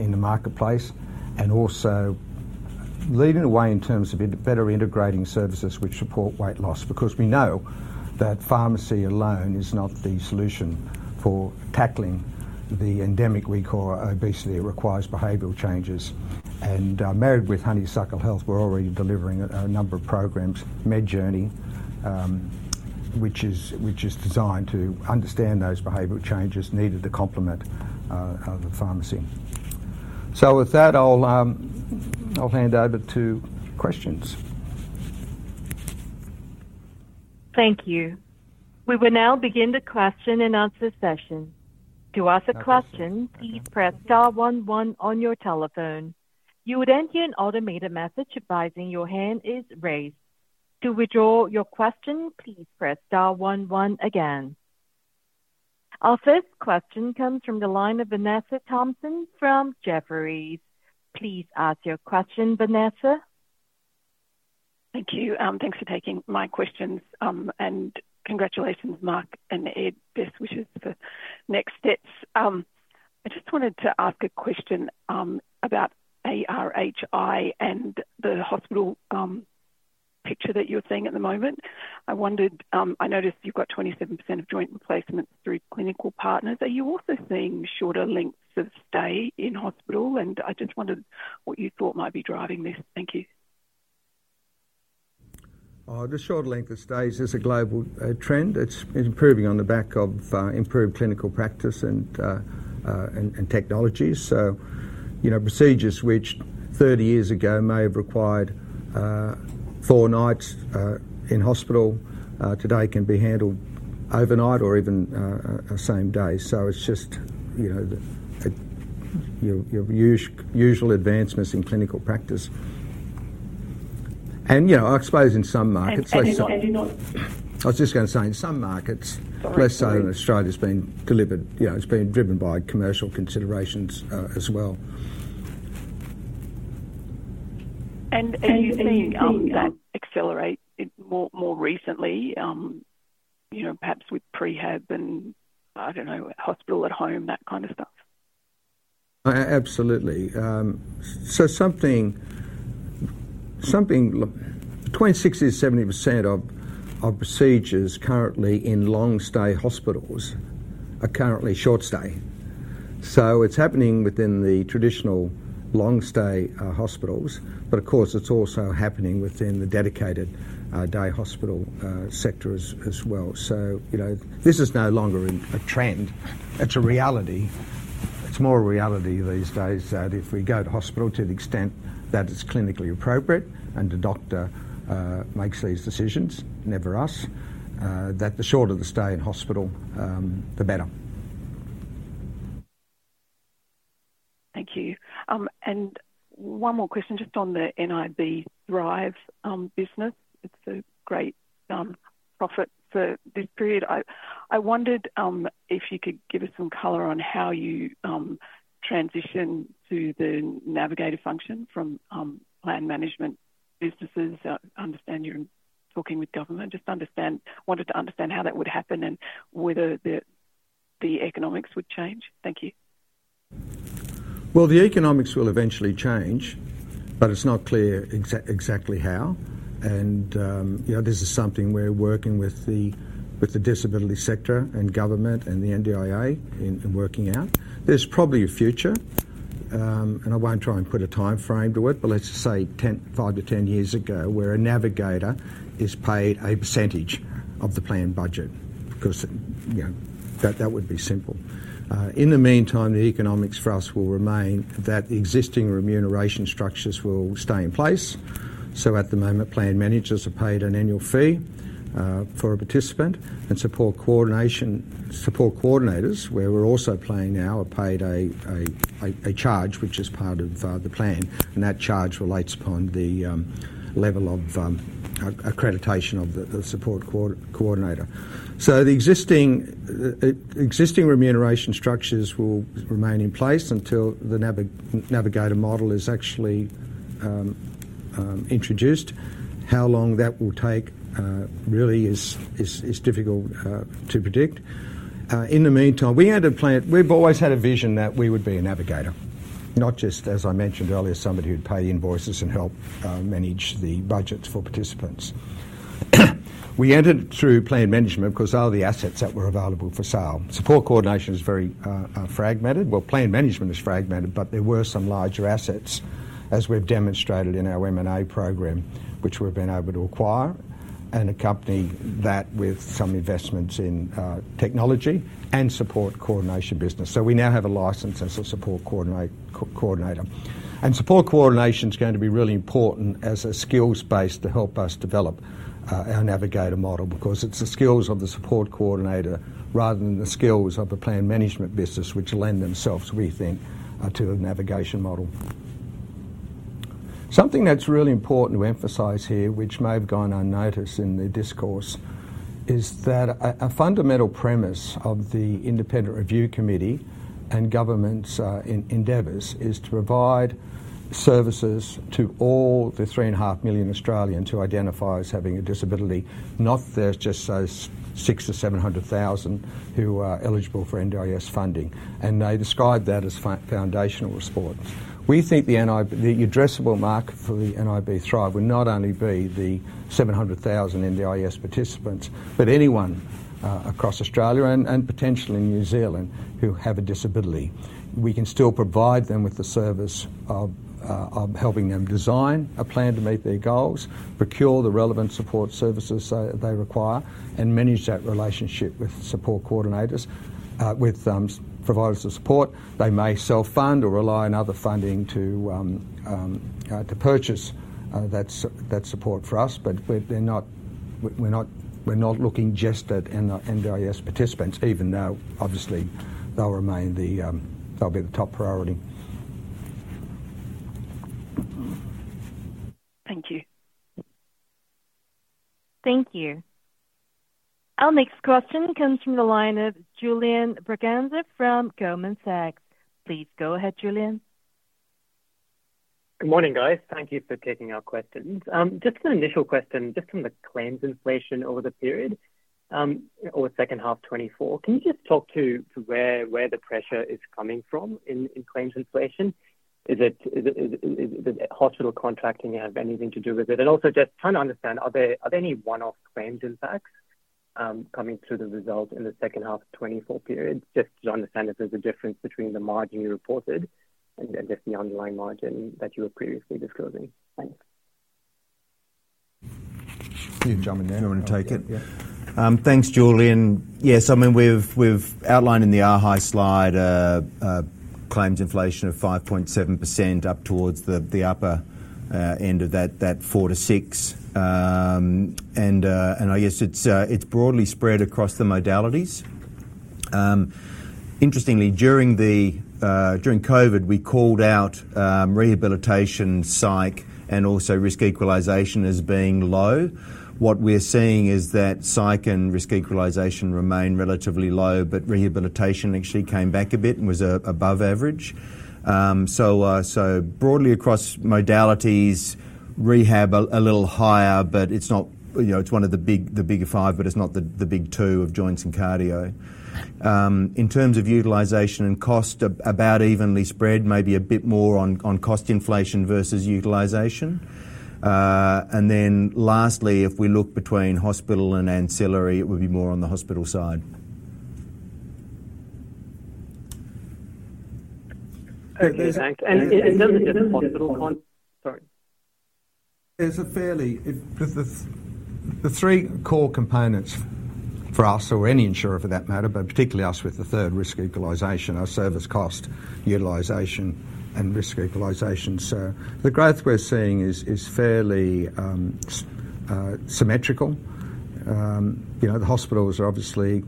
in the marketplace, and also leading the way in terms of better integrating services which support weight loss. Because we know that pharmacy alone is not the solution for tackling the endemic we call obesity. It requires behavioral changes, and, married with Honeysuckle Health, we're already delivering a number of programs, MyJourney, which is designed to understand those behavioral changes needed to complement the pharmacy. So with that, I'll hand over to questions. Thank you. We will now begin the question and answer session. To ask a question, please press star one one on your telephone. You would then hear an automated message advising your hand is raised. To withdraw your question, please press star one one again. Our first question comes from the line of Vanessa Thomson from Jefferies. Please ask your question, Vanessa. Thank you, thanks for taking my questions, and congratulations, Mark and Ed. Best wishes for next steps. I just wanted to ask a question about ARHI and the hospital picture that you're seeing at the moment. I wondered, I noticed you've got 27% of joint replacements through Clinical Partners. Are you also seeing shorter lengths of stay in hospital? And I just wondered what you thought might be driving this. Thank you. The short length of stays is a global trend. It's improving on the back of improved clinical practice and technologies. So, you know, procedures which 30 years ago may have required four nights in hospital today can be handled overnight or even same day. So it's just, you know, the usual advancements in clinical practice. And, you know, I suppose in some markets- And do not- I was just going to say, in some markets, let's say in Australia, it's been delivered, you know, it's been driven by commercial considerations, as well. You think that accelerates it more recently, you know, perhaps with prehab and, I don't know, hospital at home, that kind of stuff? Absolutely. So between 60%-70% of procedures currently in long-stay hospitals are currently short-stay. So it's happening within the traditional long-stay hospitals, but of course, it's also happening within the dedicated day hospital sector as well. So, you know, this is no longer a trend, it's a reality. It's more a reality these days that if we go to hospital, to the extent that it's clinically appropriate and the doctor makes these decisions, never us, that the shorter the stay in hospital, the better. Thank you. And one more question, just on the nib Thrive business. It's a great profit for this period. I wondered if you could give us some color on how you transition to the navigator function from plan management businesses. I understand you're talking with government. Just wanted to understand how that would happen and whether the economics would change. Thank you. The economics will eventually change, but it's not clear exactly how, and you know, this is something we're working with the disability sector and government and the NDIA in working out. There's probably a future, and I won't try and put a timeframe to it, but let's just say 10, five to 10 years ago, where a navigator is paid a percentage of the plan budget, because you know, that that would be simple. In the meantime, the economics for us will remain that the existing remuneration structures will stay in place. So at the moment, plan managers are paid an annual fee for a participant, and support coordination, support coordinators, where we're also playing now, are paid a charge, which is part of the plan, and that charge relates upon the level of accreditation of the support coordinator. So the existing remuneration structures will remain in place until the Navigator model is actually introduced. How long that will take really is difficult to predict. In the meantime, we had a plan... We've always had a vision that we would be a navigator, not just, as I mentioned earlier, somebody who'd pay invoices and help manage the budgets for participants. We entered through plan management because they were the assets that were available for sale. Support coordination is very fragmented. Plan management is fragmented, but there were some larger assets, as we've demonstrated in our M&A program, which we've been able to acquire, and accompany that with some investments in technology and support coordination business. We now have a license as a support coordinator. Support coordination is going to be really important as a skills base to help us develop our Navigator model, because it's the skills of the support coordinator rather than the skills of the plan management business, which lend themselves, we think, to a navigation model. Something that's really important to emphasize here, which may have gone unnoticed in the discourse, is that a fundamental premise of the Independent Review Committee and government's endeavors is to provide services to all the three and a half million Australians who identify as having a disability, not just those 600,000 to 700,000 who are eligible for NDIS funding, and they describe that as foundational support. We think the addressable market for the nib Thrive would not only be the 700,000 NDIS participants, but anyone across Australia and potentially New Zealand who have a disability. We can still provide them with the service of helping them design a plan to meet their goals, procure the relevant support services they require, and manage that relationship with support coordinators with providers of support. They may self-fund or rely on other funding to purchase that support for us, but we're not looking just at NDIS participants, even though obviously they'll be the top priority. Thank you. Thank you. Our next question comes from the line of Julian Braganza from Goldman Sachs. Please go ahead, Julian. Good morning, guys. Thank you for taking our questions. Just an initial question, just from the claims inflation over the period, or second half 2024, can you just talk to where the pressure is coming from in claims inflation? Is it hospital contracting have anything to do with it? And also just trying to understand, are there any one-off claims impacts? Coming through the results in the second half of 2024 period, just to understand if there's a difference between the margin you reported and just the underlying margin that you were previously disclosing. Thanks. You can jump in there. If you want to take it. Yeah. Thanks, Julian. Yes, I mean, we've outlined in the ARHI slide claims inflation of 5.7% up towards the upper end of that 4%-6%, and I guess it's broadly spread across the modalities. Interestingly, during COVID, we called out rehabilitation, psych, and also risk equalisation as being low. What we're seeing is that psych and risk equalisation remain relatively low, but rehabilitation actually came back a bit and was above average, so broadly across modalities, rehab a little higher, but it's not, you know, it's one of the big five, but it's not the big two of joints and cardio. In terms of utilization and cost, about evenly spread, maybe a bit more on cost inflation versus utilization. And then lastly, if we look between hospital and ancillary, it would be more on the hospital side. Okay, thanks, and in terms of just hospital on... Sorry. It's the three core components for us, or any insurer for that matter, but particularly us with the third risk equalisation, are service cost, utilization, and risk equalisation. So the growth we're seeing is fairly symmetrical. You know, the hospitals are obviously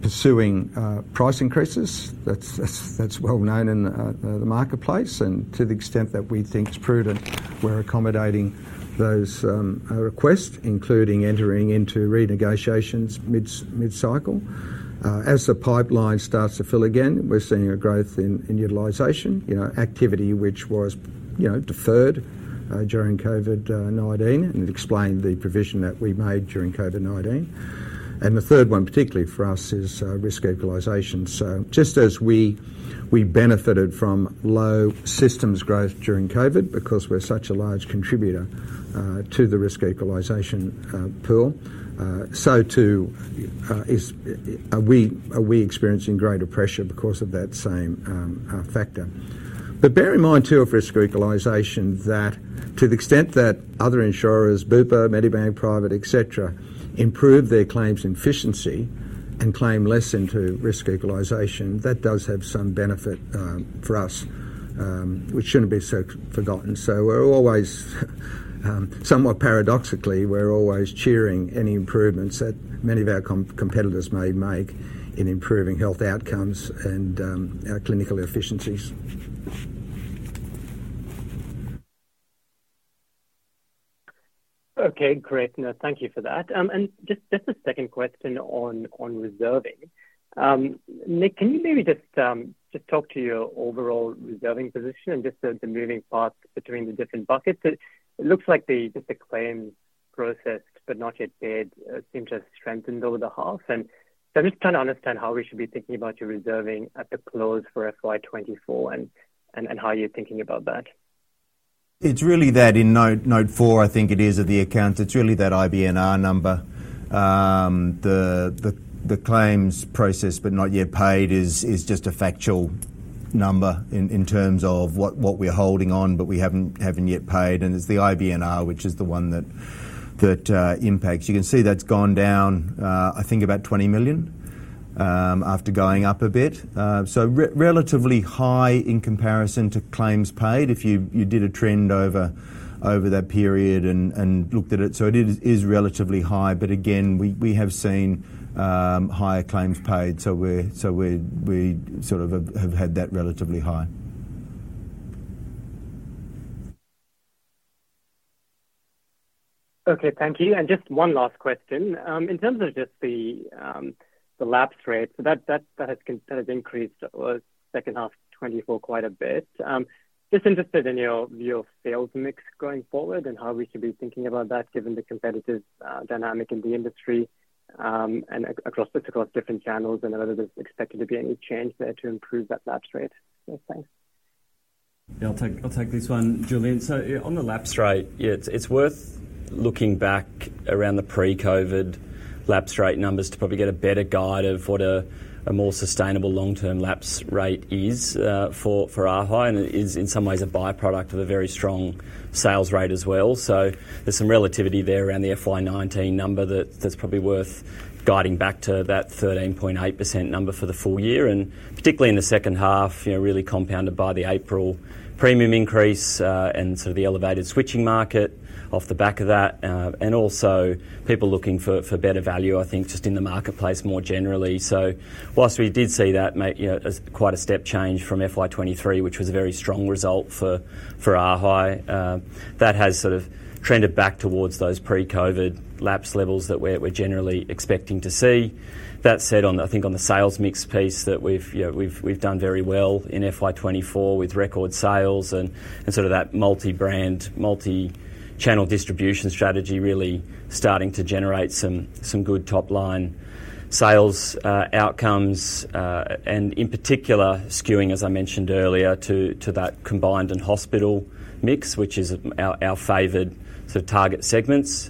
pursuing price increases. That's well known in the marketplace, and to the extent that we think it's prudent, we're accommodating those requests, including entering into renegotiations mid-cycle. As the pipeline starts to fill again, we're seeing a growth in utilization, you know, activity which was, you know, deferred during COVID-19, and it explained the provision that we made during COVID-19. And the third one, particularly for us, is risk equalisation. So just as we benefited from low systems growth during COVID, because we're such a large contributor to the risk equalisation pool, so too are we experiencing greater pressure because of that same factor. But bear in mind, too, of risk equalisation, that to the extent that other insurers, Bupa, Medibank Private, et cetera, improve their claims efficiency and claim less into risk equalisation, that does have some benefit for us, which shouldn't be so forgotten. So we're always somewhat paradoxically cheering any improvements that many of our competitors may make in improving health outcomes and our clinical efficiencies. Okay, great. No, thank you for that. And just a second question on reserving. Nick, can you maybe just talk to your overall reserving position and just the moving parts between the different buckets? It looks like just the claims processed, but not yet paid, seems to have strengthened over the half. And so I'm just trying to understand how we should be thinking about your reserving at the close for FY 2024, and how you're thinking about that. It's really that in note four, I think it is, of the accounts. It's really that IBNR number. The claims process, but not yet paid, is just a factual number in terms of what we're holding on, but we haven't yet paid. And it's the IBNR, which is the one that impacts. You can see that's gone down, I think, about 20 million, after going up a bit. So relatively high in comparison to claims paid, if you did a trend over that period and looked at it. So it is relatively high. But again, we have seen higher claims paid, so we're, we sort of have had that relatively high. Okay, thank you. And just one last question. In terms of just the lapse rate, so that has increased second half 2024 quite a bit. Just interested in your view of sales mix going forward, and how we should be thinking about that, given the competitive dynamic in the industry, and across different channels, and whether there's expected to be any change there to improve that lapse rate? Yes, thanks. Yeah, I'll take, I'll take this one, Julian. So, yeah, on the lapse rate, yeah, it's worth looking back around the pre-COVID lapse rate numbers to probably get a better guide of what a more sustainable long-term lapse rate is for ARHI, and is in some ways a by-product of a very strong sales rate as well. So there's some relativity there around the FY 2019 number that's probably worth guiding back to that 13.8% number for the full year, and particularly in the second half, you know, really compounded by the April premium increase, and sort of the elevated switching market off the back of that, and also people looking for better value, I think, just in the marketplace more generally. While we did see that make, you know, quite a step change from FY 2023, which was a very strong result for ARHI, that has sort of trended back towards those pre-COVID lapse levels that we're generally expecting to see. That said, I think on the sales mix piece, that we've, you know, done very well in FY 2024 with record sales and sort of that multi-brand, multi-channel distribution strategy really starting to generate some good top line sales outcomes, and in particular, skewing, as I mentioned earlier, to that combined and hospital mix, which is our favored sort of target segments.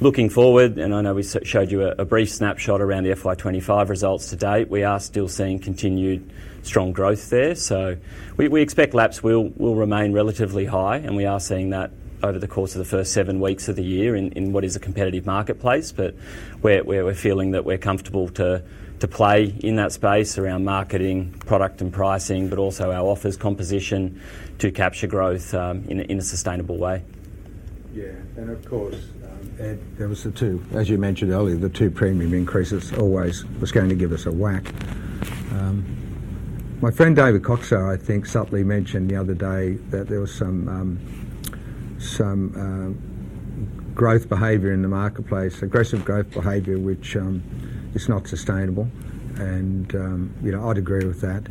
Looking forward, and I know we showed you a brief snapshot around the FY 2025 results to date, we are still seeing continued strong growth there. So we expect lapses will remain relatively high, and we are seeing that over the course of the first seven weeks of the year in what is a competitive marketplace. But we're feeling that we're comfortable to play in that space around marketing, product and pricing, but also our offer composition to capture growth, in a sustainable way. Yeah. And of course, Ed, there was the two—as you mentioned earlier, the two premium increases always was going to give us a whack. My friend, David Koczkar, I think, subtly mentioned the other day that there was some growth behavior in the marketplace, aggressive growth behavior, which is not sustainable, and you know, I'd agree with that.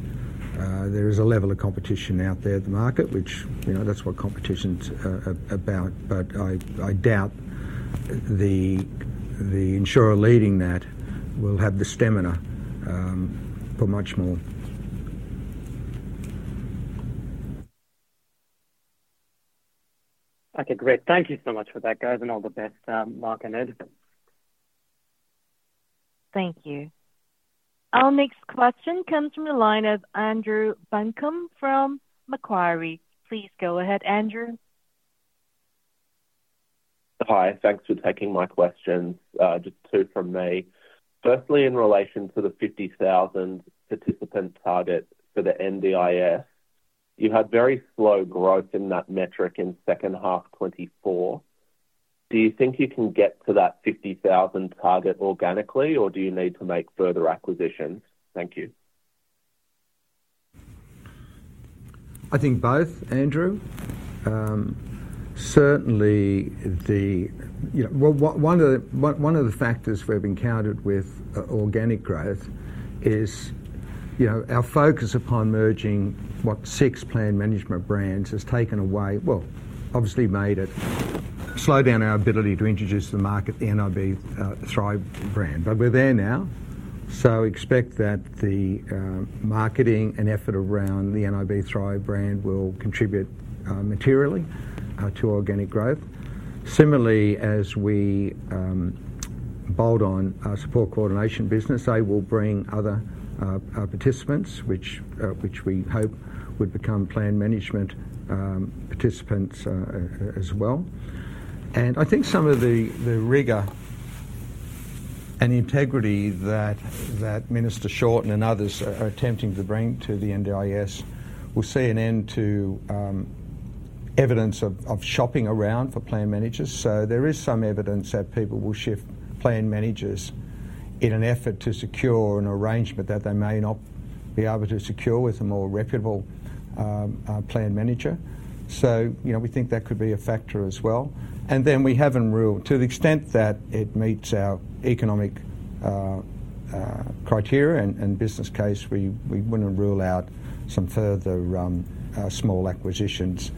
There is a level of competition out there in the market, which you know, that's what competition's about, but I doubt the insurer leading that will have the stamina for much more. Okay, great. Thank you so much for that, guys, and all the best, Mark and Ed. Thank you. Our next question comes from the line of Andrew Buncombe from Macquarie. Please go ahead, Andrew. Hi, thanks for taking my questions. Just two from me. Firstly, in relation to the 50,000 participant target for the NDIS, you had very slow growth in that metric in second half 2024. Do you think you can get to that 50,000 target organically, or do you need to make further acquisitions? Thank you. I think both, Andrew. Certainly the one of the factors we've encountered with organic growth is, you know, our focus upon merging what six plan management brands has taken away, well, obviously made it slow down our ability to introduce the market, the nib Thrive brand, but we're there now. So expect that the marketing and effort around the nib Thrive brand will contribute materially to organic growth. Similarly, as we build on our support coordination business, they will bring other participants, which we hope would become plan management participants as well. I think some of the rigor and integrity that Minister Shorten and others are attempting to bring to the NDIS will see an end to evidence of shopping around for plan managers. So there is some evidence that people will shift plan managers in an effort to secure an arrangement that they may not be able to secure with a more reputable plan manager. So, you know, we think that could be a factor as well. Then we haven't ruled, to the extent that it meets our economic criteria and business case, we wouldn't rule out some further small acquisitions.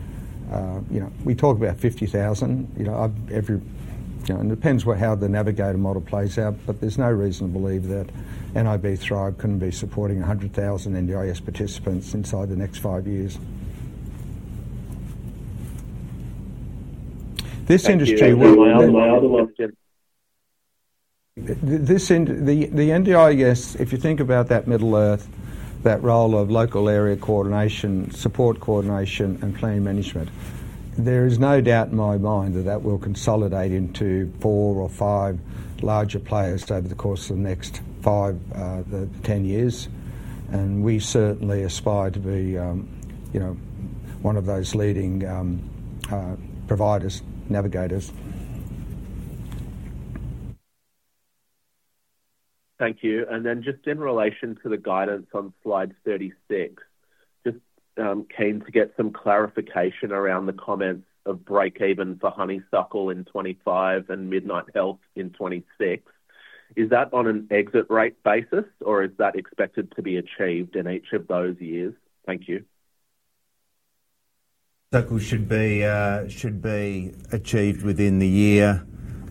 You know, we talk about 50,000, you know, I've every... You know, it depends what, how the Navigator model plays out, but there's no reason to believe that nib Thrive couldn't be supporting a 100,000 NDIS participants inside the next five years. This industry- Thank you. My other one- the NDIS, if you think about that middle earth, that role of local area coordination, support coordination, and plan management, there is no doubt in my mind that that will consolidate into four or five larger players over the course of the next five, 10 years, and we certainly aspire to be, you know, one of those leading, providers, navigators. Thank you. And then just in relation to the guidance on slide thirty-six, just, keen to get some clarification around the comments of break even for Honeysuckle in 2025 and Midnight Health in 2026. Is that on an exit rate basis, or is that expected to be achieved in each of those years? Thank you. That should be achieved within the year,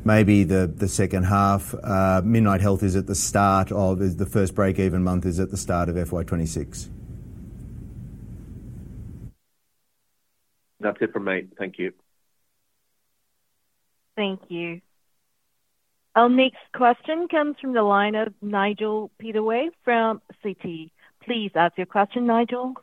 maybe the second half. Midnight Health, the first break-even month is at the start of FY 2026. That's it from me. Thank you. Thank you. Our next question comes from the line of Nigel Pittaway from Citi. Please ask your question, Nigel.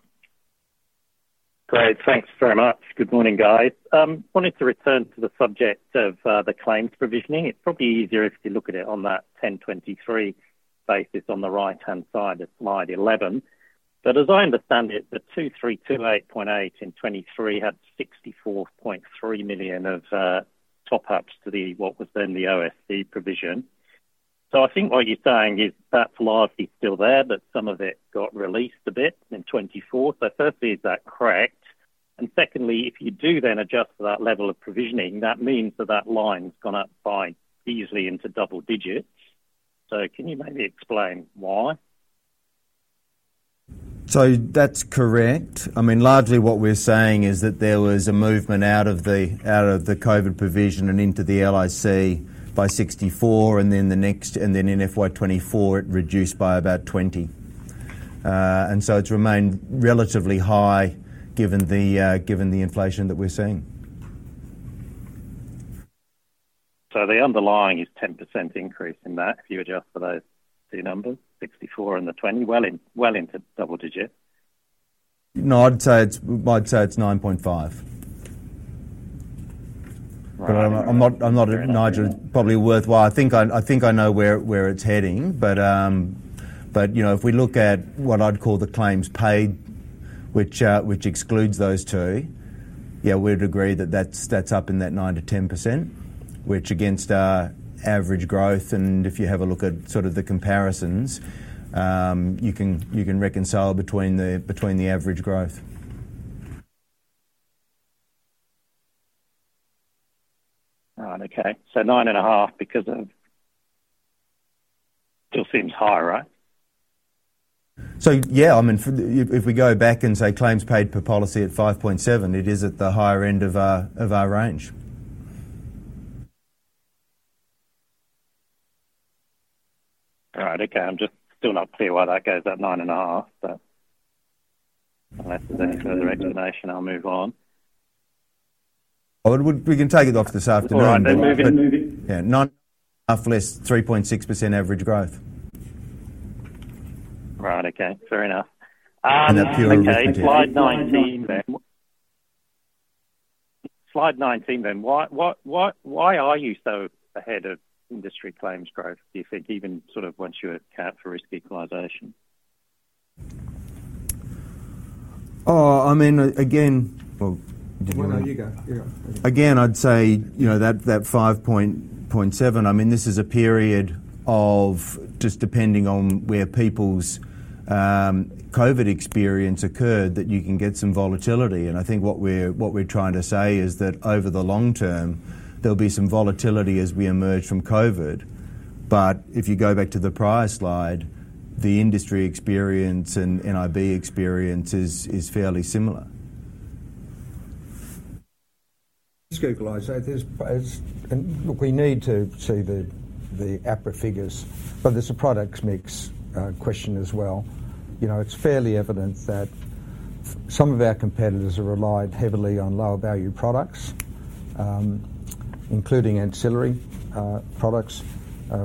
Great. Thanks very much. Good morning, guys. Wanted to return to the subject of the claims provisioning. It's probably easier if you look at it on that AASB 1023 basis on the right-hand side of slide 11. But as I understand it, the 232.8 million in 2023 had 64.3 million of top-ups to the, what was then the OSC provision. So I think what you're saying is that's largely still there, but some of it got released a bit in 2024. So firstly, is that correct? And secondly, if you do then adjust for that level of provisioning, that means that that line's gone up by easily into double digits. So can you maybe explain why? ... So that's correct. I mean, largely what we're saying is that there was a movement out of the COVID provision and into the LIC by 64, and then in FY 2024, it reduced by about 20, so it's remained relatively high given the inflation that we're seeing. So the underlying is 10% increase in that, if you adjust for those two numbers, 64 and the 20, well into double digits? No, I'd say it's nine point five. Right. But I'm not and neither it's probably worthwhile. I think I know where it's heading, but you know, if we look at what I'd call the claims paid, which excludes those two, yeah, we'd agree that that's up in that 9%-10%, which against our average growth, and if you have a look at sort of the comparisons, you can reconcile between the average growth. All right. Okay. So nine and a half because of... Still seems high, right? So, yeah, I mean, if we go back and say claims paid per policy at five point seven, it is at the higher end of our range. All right. Okay. I'm just still not clear why that goes up nine and a half, but unless there's any further explanation, I'll move on. We can take it off this afternoon. All right, then move it, move it. Yeah. 9, less 3.6% average growth. Right. Okay, fair enough. In that period- Slide nineteen then. Why are you so ahead of industry claims growth, do you think, even sort of once you account for risk equalisation? Oh, I mean, again, well- Well, no, you go. Yeah. Again, I'd say, you know, that five point seven. I mean, this is a period of just depending on where people's COVID experience occurred, that you can get some volatility. And I think what we're trying to say is that over the long term, there'll be some volatility as we emerge from COVID. But if you go back to the prior slide, the industry experience and nib experience is fairly similar. Risk Equalisation, there's. Look, we need to see the APRA figures, but there's a product mix question as well. You know, it's fairly evident that some of our competitors have relied heavily on lower value products, including ancillary products,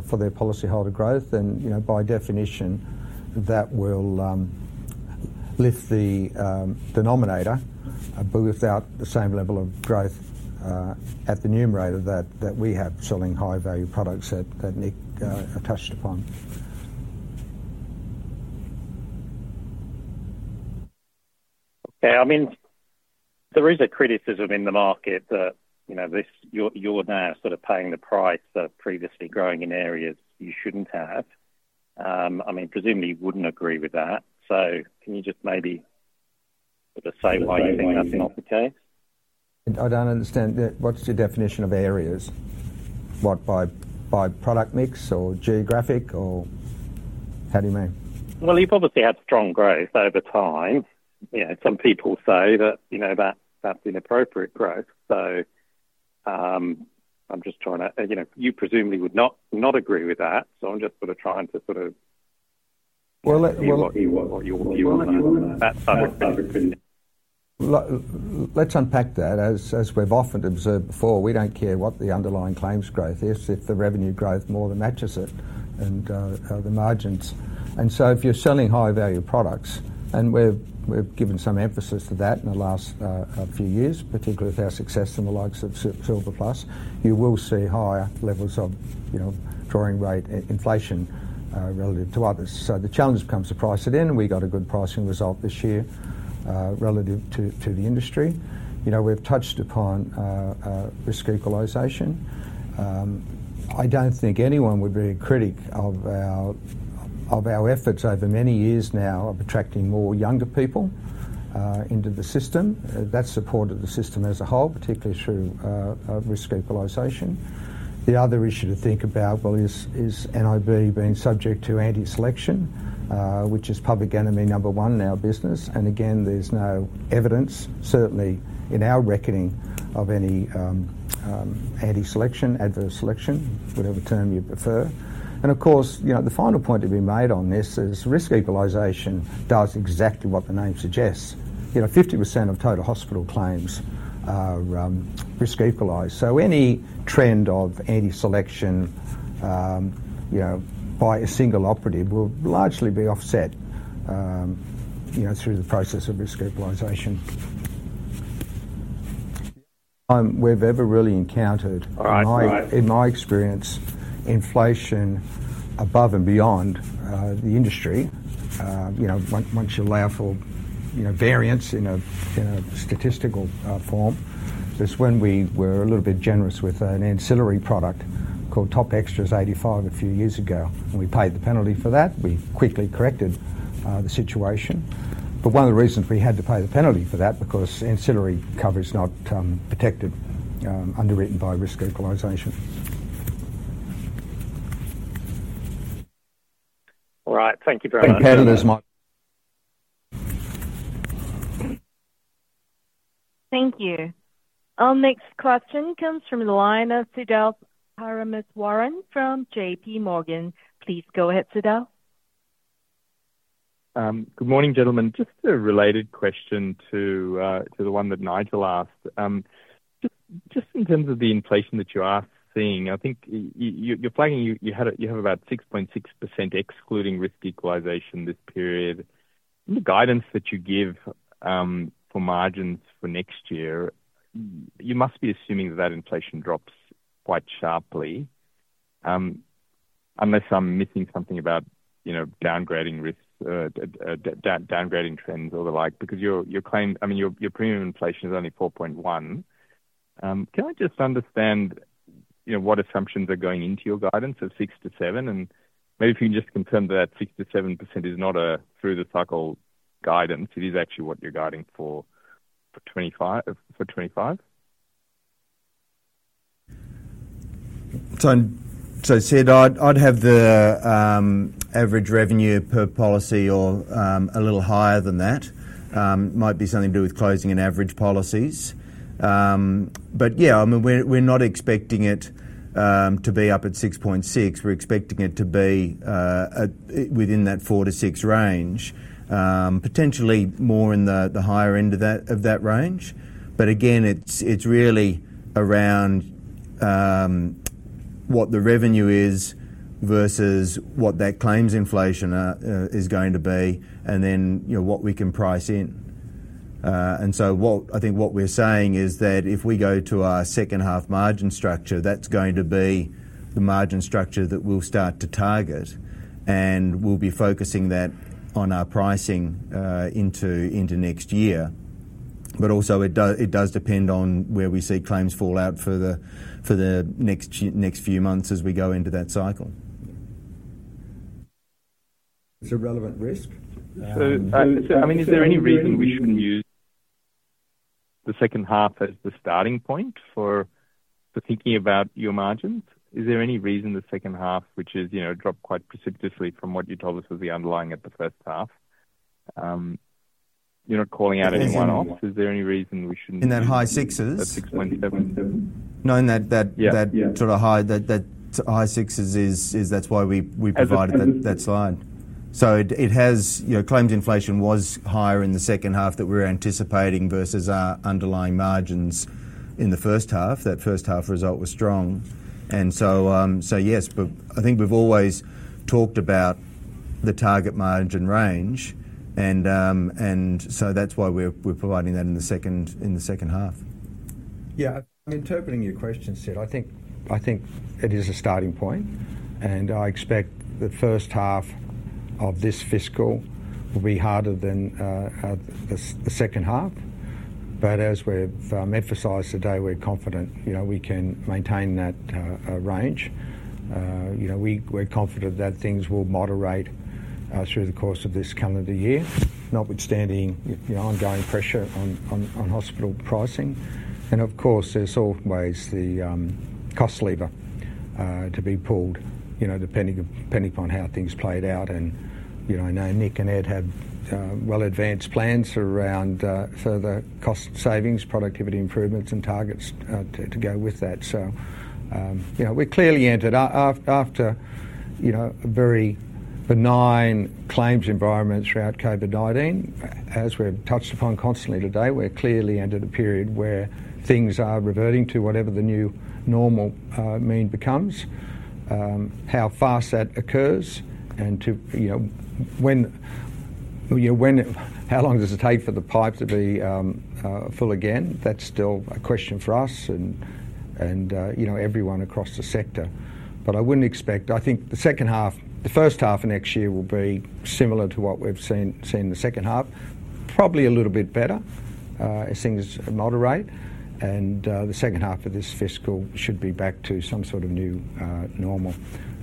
for their policyholder growth. And, you know, by definition, that will lift the denominator, but without the same level of growth at the numerator that Nick touched upon. Yeah, I mean, there is a criticism in the market that, you know, this, you're now sort of paying the price of previously growing in areas you shouldn't have. I mean, presumably you wouldn't agree with that. So can you just maybe, just say why you think that's not the case? I don't understand. What's your definition of areas? What, by product mix or geographic, or how do you mean? You've obviously had strong growth over time. You know, some people say that, you know, that that's inappropriate growth, so I'm just trying to... You know, you presumably would not not agree with that, so I'm just sort of trying to sort of- Well, let, well- I hear what your view on that side of things. Let's unpack that. As we've often observed before, we don't care what the underlying claims growth is, if the revenue growth more than matches it and the margins. And so if you're selling high value products, and we've given some emphasis to that in the last few years, particularly with our success in the likes of Silver Plus, you will see higher levels of, you know, growing rate inflation, relative to others. So the challenge becomes to price it in. We got a good pricing result this year, relative to the industry. You know, we've touched upon risk equalisation. I don't think anyone would be a critic of our efforts over many years now of attracting more younger people into the system. That supported the system as a whole, particularly through risk equalisation. The other issue to think about, well, is nib being subject to anti-selection, which is public enemy number one in our business. And again, there's no evidence, certainly in our reckoning, of any anti-selection, adverse selection, whatever term you prefer. And of course, you know, the final point to be made on this is risk equalisation does exactly what the name suggests. You know, 50% of total hospital claims are risk equalized. So any trend of anti-selection, you know, by a single operative will largely be offset, you know, through the process of risk equalisation. We've ever really encountered- Right. Right in my, in my experience, inflation above and beyond the industry, you know, once you allow for, you know, variance in a, in a statistical form, is when we were a little bit generous with an ancillary product called Top Extras 85 a few years ago, and we paid the penalty for that. We quickly corrected the situation, but one of the reasons we had to pay the penalty for that, because ancillary cover is not protected underwritten by Risk Equalisation. All right, thank you very much. Thank you. Our next question comes from the line of Siddharth Parameswaran from JP Morgan. Please go ahead, Siddharth. Good morning, gentlemen. Just a related question to the one that Nigel asked. Just in terms of the inflation that you are seeing, I think you're planning, you have about 6.6%, excluding risk equalisation this period. In the guidance that you give for margins for next year, you must be assuming that inflation drops quite sharply. Unless I'm missing something about, you know, downgrading risks, downgrading trends or the like, because your claim, I mean, your premium inflation is only 4.1%. Can I just understand, you know, what assumptions are going into your guidance of 6%-7%? And maybe if you can just confirm that 6%-7% is not a through-the-cycle guidance, it is actually what you're guiding for 2025. So, Sid, I'd have the average revenue per policy or a little higher than that. It might be something to do with changes in average policies. But yeah, I mean, we're not expecting it to be up at 6.6. We're expecting it to be within that 4-6 range, potentially more in the higher end of that range. But again, it's really around what the revenue is versus what that claims inflation is going to be, and then, you know, what we can price in. And so, I think what we're saying is that if we go to our second half margin structure, that's going to be the margin structure that we'll start to target, and we'll be focusing that on our pricing into next year. But also, it does depend on where we see claims fall out for the next few months as we go into that cycle. It's a relevant risk. So, I mean, is there any reason we shouldn't use the second half as the starting point for thinking about your margins? Is there any reason the second half, which is, you know, dropped quite precipitously from what you told us was the underlying at the first half, you're not calling out any one-off. Is there any reason we shouldn't- In that high sixes? At six point seven seven. No, in that, Yeah... that sort of high sixes that's why we provided that slide. So it has, you know, claims inflation was higher in the second half that we're anticipating versus our underlying margins in the first half. That first half result was strong, so yes, but I think we've always talked about the target margin range, and so that's why we're providing that in the second half. Yeah, interpreting your question, Sid, I think it is a starting point, and I expect the first half of this fiscal will be harder than the second half. But as we've emphasized today, we're confident, you know, we can maintain that range. You know, we're confident that things will moderate through the course of this calendar year, notwithstanding the ongoing pressure on hospital pricing. And of course, there's always the cost lever to be pulled, you know, depending upon how things played out. And, you know, I know Nick and Ed have well-advanced plans around further cost savings, productivity improvements and targets to go with that. So, you know, we're clearly entered after a very benign claims environment throughout COVID-19. As we've touched upon constantly today, we're clearly entered a period where things are reverting to whatever the new normal mean becomes, how fast that occurs and to, you know, when, you know, when it- how long does it take for the pipe to be full again? That's still a question for us and, you know, everyone across the sector. But I wouldn't expect... I think the second half, the first half of next year will be similar to what we've seen in the second half. Probably a little bit better, as things moderate, and, the second half of this fiscal should be back to some sort of new normal.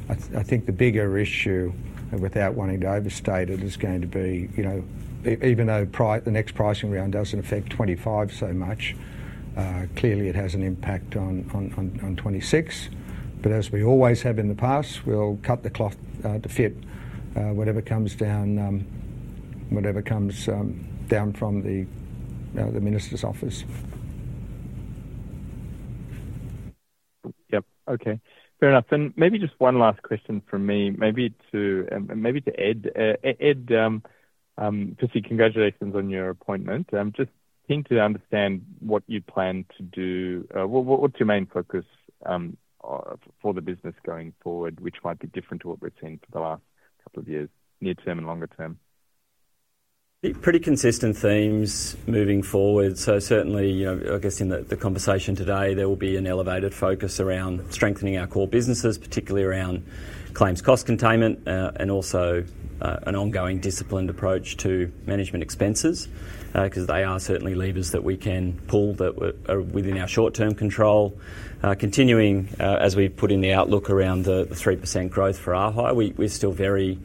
I think the bigger issue, without wanting to overstate it, is going to be, you know, even though the next pricing round doesn't affect 2025 so much, clearly it has an impact on 2026. But as we always have in the past, we'll cut the cloth to fit whatever comes down from the minister's office. Yep. Okay, fair enough. And maybe just one last question from me, maybe to, maybe to Ed. Ed, firstly, congratulations on your appointment. Just keen to understand what you plan to do, what's your main focus for the business going forward, which might be different to what we've seen for the last couple of years, near term and longer term? ... Pretty consistent themes moving forward. So certainly, you know, I guess in the conversation today, there will be an elevated focus around strengthening our core businesses, particularly around claims cost containment, and also, an ongoing disciplined approach to management expenses, because they are certainly levers that we can pull that are within our short-term control. Continuing, as we put in the outlook around the 3% growth for ARHI, we're still very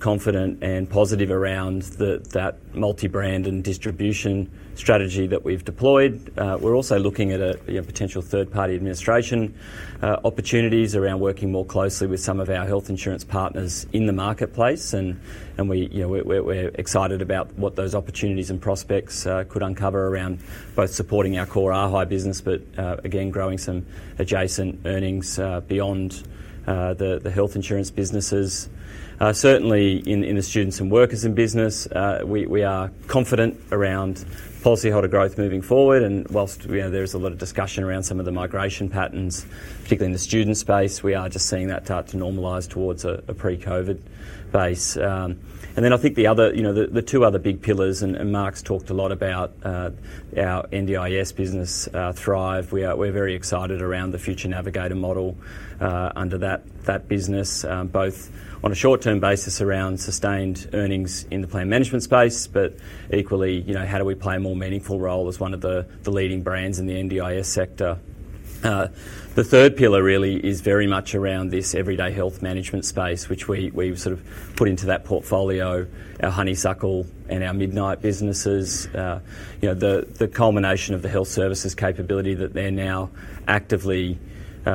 confident and positive around that multi-brand and distribution strategy that we've deployed. We're also looking at a, you know, potential third-party administration opportunities around working more closely with some of our health insurance partners in the marketplace, and we, you know, we're excited about what those opportunities and prospects could uncover around both supporting our core ARHI business, but again, growing some adjacent earnings beyond the health insurance businesses. Certainly in the students and workers business, we are confident around policyholder growth moving forward, and whilst, you know, there is a lot of discussion around some of the migration patterns, particularly in the student space, we are just seeing that start to normalize towards a pre-COVID base, and then I think the other, you know, the two other big pillars, and Mark's talked a lot about our NDIS business, Thrive. We're very excited around the future Navigator model, under that business, both on a short-term basis around sustained earnings in the plan management space, but equally, you know, how do we play a more meaningful role as one of the leading brands in the NDIS sector? The third pillar really is very much around this everyday health management space, which we've sort of put into that portfolio, our Honeysuckle and our Midnight businesses. You know, the culmination of the health services capability that they're now actively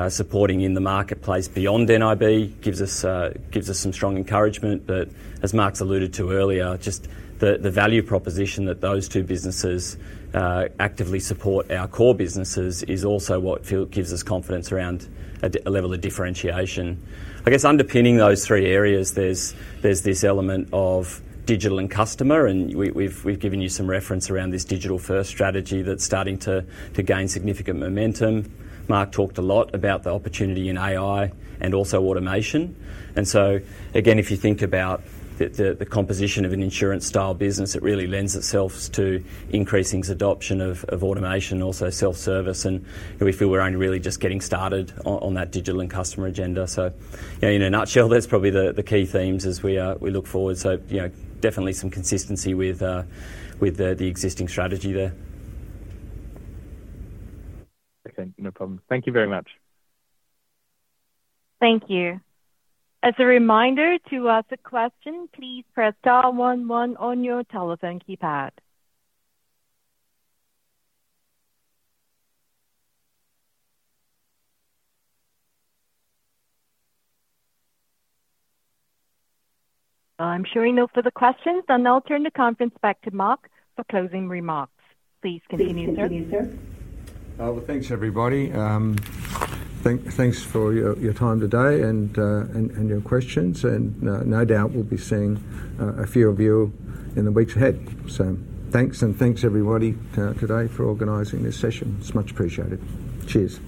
supporting in the marketplace beyond nib gives us some strong encouragement. But as Mark's alluded to earlier, just the value proposition that those two businesses actively support our core businesses is also what gives us confidence around a level of differentiation. I guess underpinning those three areas, there's this element of digital and customer, and we've given you some reference around this digital-first strategy that's starting to gain significant momentum. Mark talked a lot about the opportunity in AI and also automation. And so again, if you think about the composition of an insurance style business, it really lends itself to increasing adoption of automation and also self-service, and we feel we're only really just getting started on that digital and customer agenda. So, yeah, in a nutshell, that's probably the key themes as we look forward. So, you know, definitely some consistency with the existing strategy there. Okay, no problem. Thank you very much. Thank you. As a reminder to ask a question, please press star one one on your telephone keypad. I'm showing no further questions, and I'll turn the conference back to Mark for closing remarks. Please continue, sir. Well, thanks, everybody. Thanks for your time today, and your questions, and no doubt we'll be seeing a few of you in the weeks ahead. So thanks, and thanks everybody today for organizing this session. It's much appreciated. Cheers!